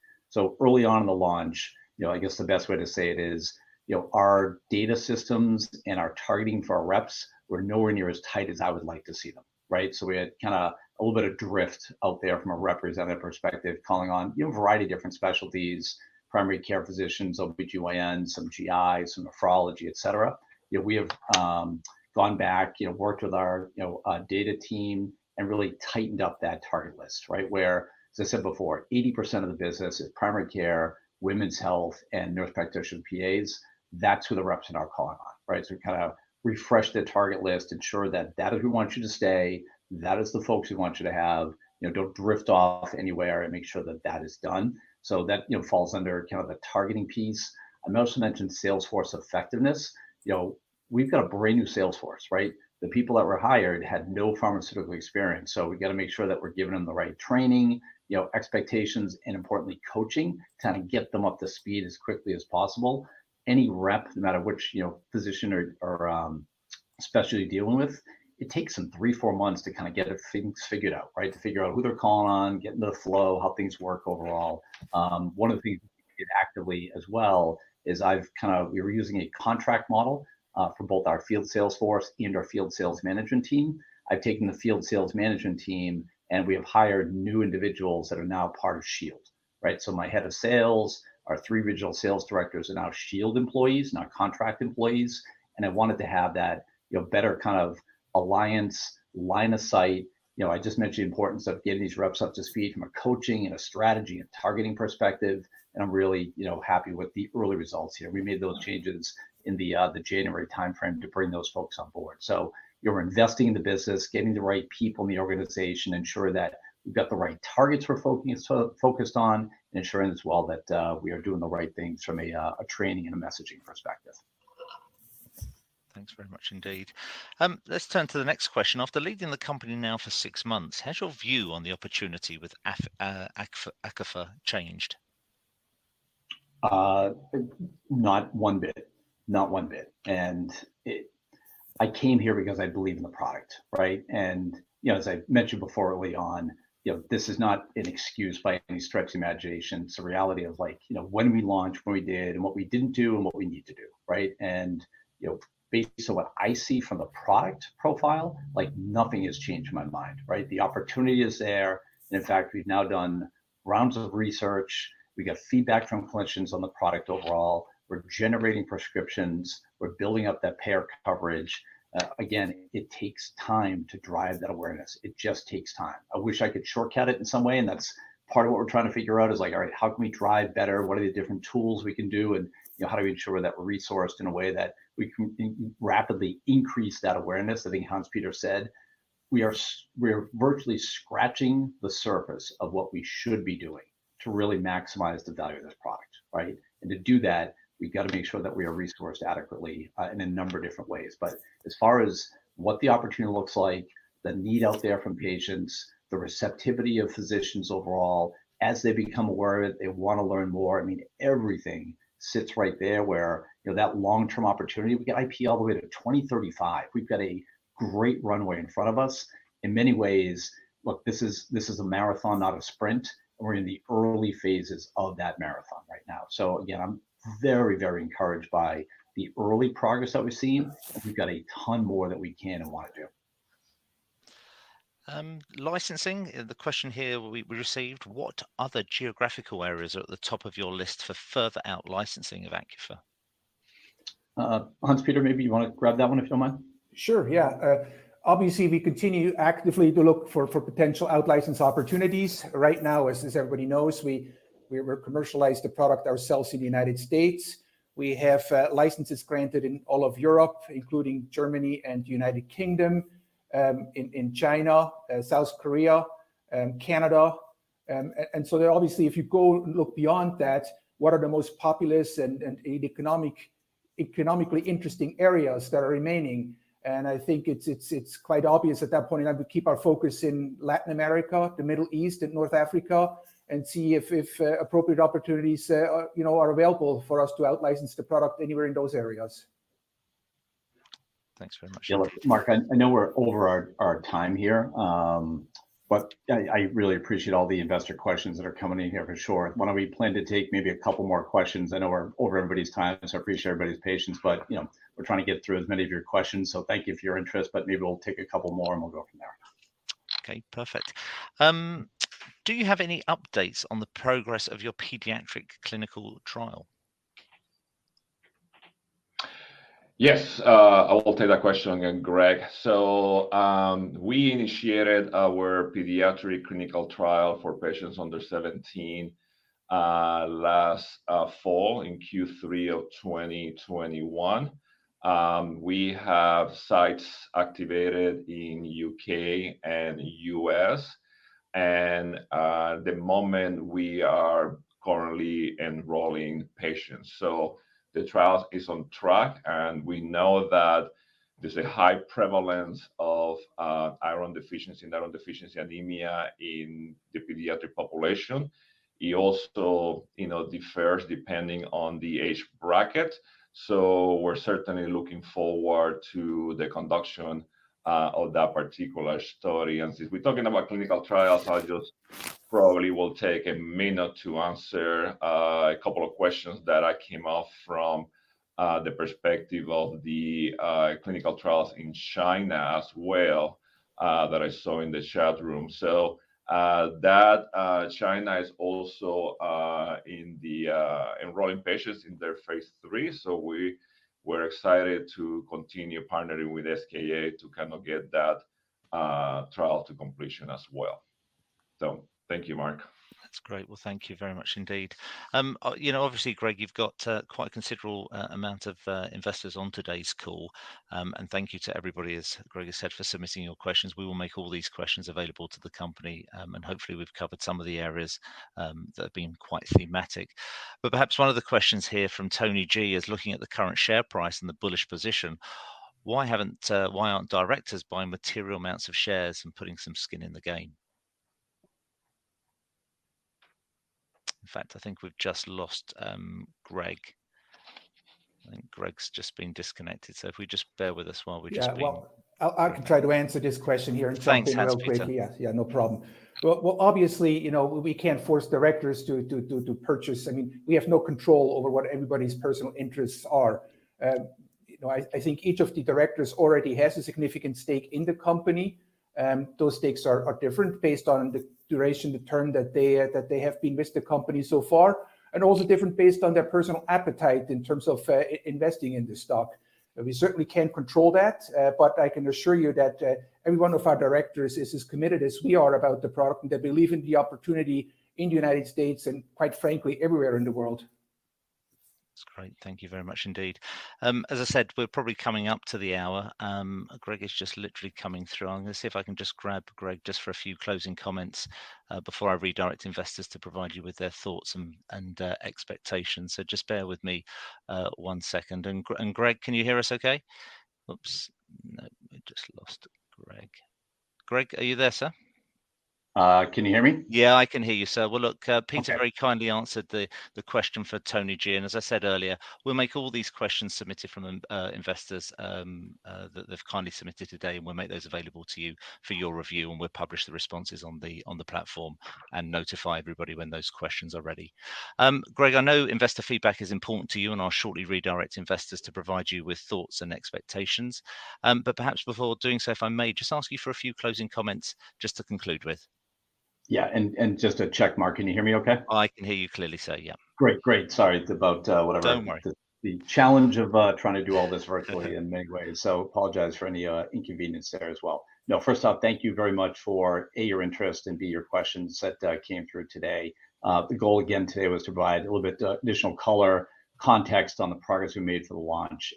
Early on in the launch, you know, I guess the best way to say it is, you know, our data systems and our targeting for our reps were nowhere near as tight as I would like to see them right? We had kind of a little bit of drift out there from a representative perspective, calling on, you know, a variety of different specialties, primary care physicians, OBGYNs, some GIs, some nephrology, et cetera. We have gone back, you know, worked with our, you know, data team and really tightened up that target list, right? Where, as I said before, 80% of the business is primary care, women's health, and nurse practitioner PAs, that's who the reps are now calling on, right? We kind of refreshed the target list, ensure that that is who we want you to stay, that is the folks we want you to have. You know, don't drift off anywhere and make sure that that is done. That, you know, falls under kind of the targeting piece. I also mentioned sales force effectiveness. You know, we've got a brand new sales force, right? The people that were hired had no pharmaceutical experience, so we got to make sure that we're giving them the right training, you know, expectations, and importantly, coaching, to kind of get them up to speed as quickly as possible. Any rep, no matter which, you know, physician or specialty you're dealing with, it takes them three, four months to kind of get their things figured out, right? To figure out who they're calling on, get in the flow, how things work overall. One of the things actively as well is we were using a contract model for both our field sales force and our field sales management team. I've taken the field sales management team, and we have hired new individuals that are now part of Shield, right? My head of sales, our three regional sales directors are now Shield employees, not contract employees. I wanted to have that, you know, better kind of alliance line of sight. You know, I just mentioned the importance of getting these reps up to speed from a coaching and a strategy and targeting perspective, and I'm really, you know, happy with the early results here. We made those changes in the January timeframe to bring those folks on board. You're investing in the business, getting the right people in the organization, ensure that we've got the right targets we're focused on, and ensuring as well that we are doing the right things from a training and a messaging perspective. Thanks very much indeed. Let's turn to the next question. After leading the company now for six months, has your view on the opportunity with ACCRUFeR changed? Not one bit. I came here because I believe in the product, right? You know, as I mentioned before early on, you know, this is not an excuse by any stretch of the imagination. It's a reality of like, you know, when we launched, when we did, and what we didn't do and what we need to do, right? You know, basically, so what I see from a product profile, like nothing has changed my mind, right? The opportunity is there. In fact, we've now done rounds of research. We got feedback from clinicians on the product overall. We're generating prescriptions. We're building up that payer coverage. Again, it takes time to drive that awareness. It just takes time. I wish I could shortcut it in some way, and that's part of what we're trying to figure out is like, all right, how can we drive better? What are the different tools we can do? You know, how do we ensure that we're resourced in a way that we can rapidly increase that awareness? I think Hans-Peter said, we're virtually scratching the surface of what we should be doing to really maximize the value of this product, right? To do that, we've got to make sure that we are resourced adequately in a number of different ways. As far as what the opportunity looks like, the need out there from patients, the receptivity of physicians overall, as they become aware of it, they want to learn more. I mean, everything sits right there where, you know, that long-term opportunity. We've got IP all the way to 2035. We've got a great runway in front of us. In many ways, look, this is a marathon, not a sprint. We're in the early phases of that marathon right now. So again, I'm very, very encouraged by the early progress that we've seen, and we've got a ton more that we can and want to do. Licensing. The question here we received, what other geographical areas are at the top of your list for further out licensing of ACCRUFeR? Hans-Peter, maybe you want to grab that one, if you don't mind. Sure, yeah. Obviously we continue actively to look for potential out-license opportunities. Right now, as everybody knows, we commercialize the product ourselves in the United States. We have licenses granted in all of Europe, including Germany and United Kingdom, in China, South Korea, Canada. There obviously, if you go look beyond that, what are the most populous and economically interesting areas that are remaining? I think it's quite obvious at that point in time, we keep our focus in Latin America, the Middle East, and North Africa, and see if appropriate opportunities, you know, are available for us to out-license the product anywhere in those areas. Thanks very much. Mark, I know we're over our time here, but I really appreciate all the investor questions that are coming in here for sure. Why don't we plan to take maybe a couple more questions? I know we're over everybody's time, so I appreciate everybody's patience. You know, we're trying to get through as many of your questions, so thank you for your interest. Maybe we'll take a couple more, and we'll go from there. Okay, perfect. Do you have any updates on the progress of your pediatric clinical trial? Yes, I will take that question again, Greg. We initiated our pediatric clinical trial for patients under 17 last fall in Q3 of 2021. We have sites activated in U.K. and U.S. and at the moment we are currently enrolling patients. The trial is on track, and we know that there's a high prevalence of iron-deficiency anemia in the pediatric population. It also, you know, differs depending on the age bracket. We're certainly looking forward to the conduct of that particular study. Since we're talking about clinical trials, I probably will take a minute to answer a couple of questions that came from the perspective of the clinical trials in China as well that I saw in the chat room. China is also enrolling patients in their phase III, so we're excited to continue partnering with ASK to kind of get that trial to completion as well. Thank you, Mark. That's great. Well, thank you very much indeed. You know, obviously, Greg, you've got quite a considerable amount of investors on today's call. Thank you to everybody, as Greg has said, for submitting your questions. We will make all these questions available to the company, and hopefully we've covered some of the areas that have been quite thematic. Perhaps one of the questions here from Tony G. is looking at the current share price and the bullish position, why aren't directors buying material amounts of shares and putting some skin in the game? In fact, I think we've just lost Greg. I think Greg's just been disconnected. If we just bear with us while we just bring- Yeah. Well, I can try to answer this question here and. Thanks, Hans-Peter. Yeah. Yeah, no problem. Well, obviously, you know, we can't force directors to purchase. I mean, we have no control over what everybody's personal interests are. You know, I think each of the directors already has a significant stake in the company. Those stakes are different based on the duration, the term that they have been with the company so far, and also different based on their personal appetite in terms of investing in the stock. We certainly can't control that, but I can assure you that every one of our directors is as committed as we are about the product, and they believe in the opportunity in the United States and, quite frankly, everywhere in the world. That's great. Thank you very much indeed. As I said, we're probably coming up to the hour. Greg is just literally coming through. I'm gonna see if I can just grab Greg just for a few closing comments before I redirect investors to provide you with their thoughts and expectations. Just bear with me one second. Greg, can you hear us okay? Oops. No, we just lost Greg. Greg, are you there, sir? Can you hear me? Yeah, I can hear you, sir. Well, look, Okay. Peter very kindly answered the question for Tony G. As I said earlier, we'll make all these questions submitted from investors that they've kindly submitted today, and we'll make those available to you for your review, and we'll publish the responses on the platform and notify everybody when those questions are ready. Greg, I know investor feedback is important to you, and I'll shortly redirect investors to provide you with thoughts and expectations. But perhaps before doing so, if I may just ask you for a few closing comments just to conclude with. Yeah. Just to check, Mark, can you hear me okay? I can hear you clearly, sir. Yeah. Great. Sorry about whatever. Don't worry. The challenge of trying to do all this virtually in many ways. Apologize for any inconvenience there as well. No, first off, thank you very much for A, your interest and B, your questions that came through today. The goal again today was to provide a little bit additional color, context on the progress we made for the launch.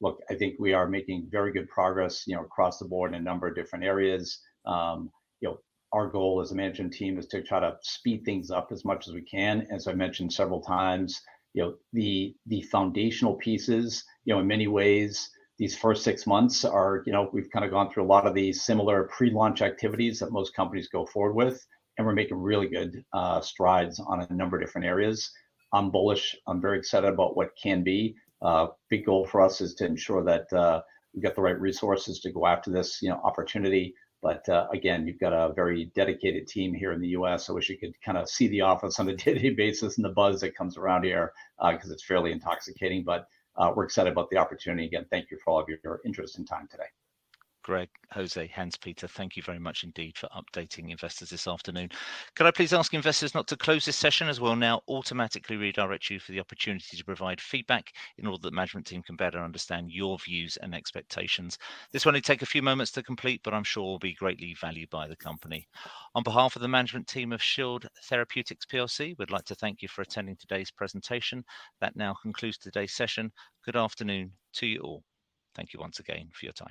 Look, I think we are making very good progress, you know, across the board in a number of different areas. You know, our goal as a management team is to try to speed things up as much as we can. As I mentioned several times, you know, the foundational pieces, you know, in many ways, these first six months are, you know, we've kinda gone through a lot of the similar pre-launch activities that most companies go forward with, and we're making really good strides on a number of different areas. I'm bullish. I'm very excited about what can be. Big goal for us is to ensure that we've got the right resources to go after this, you know, opportunity but again we got a very dedicated team here in the U.S. I wish you could kinda see the office on a daily basis and the buzz that comes around here 'cause it's really intoxicating but we're excited about the opportunity. Again, thank you for all of your interest and time today. Greg, José, Hans-Peter, thank you very much indeed for updating investors this afternoon. Could I please ask investors not to close this session as we'll now automatically redirect you for the opportunity to provide feedback in order that the management team can better understand your views and expectations. This will only take a few moments to complete, but I'm sure will be greatly valued by the company. On behalf of the management team of Shield Therapeutics plc, we'd like to thank you for attending today's presentation. That now concludes today's session. Good afternoon to you all. Thank you once again for your time.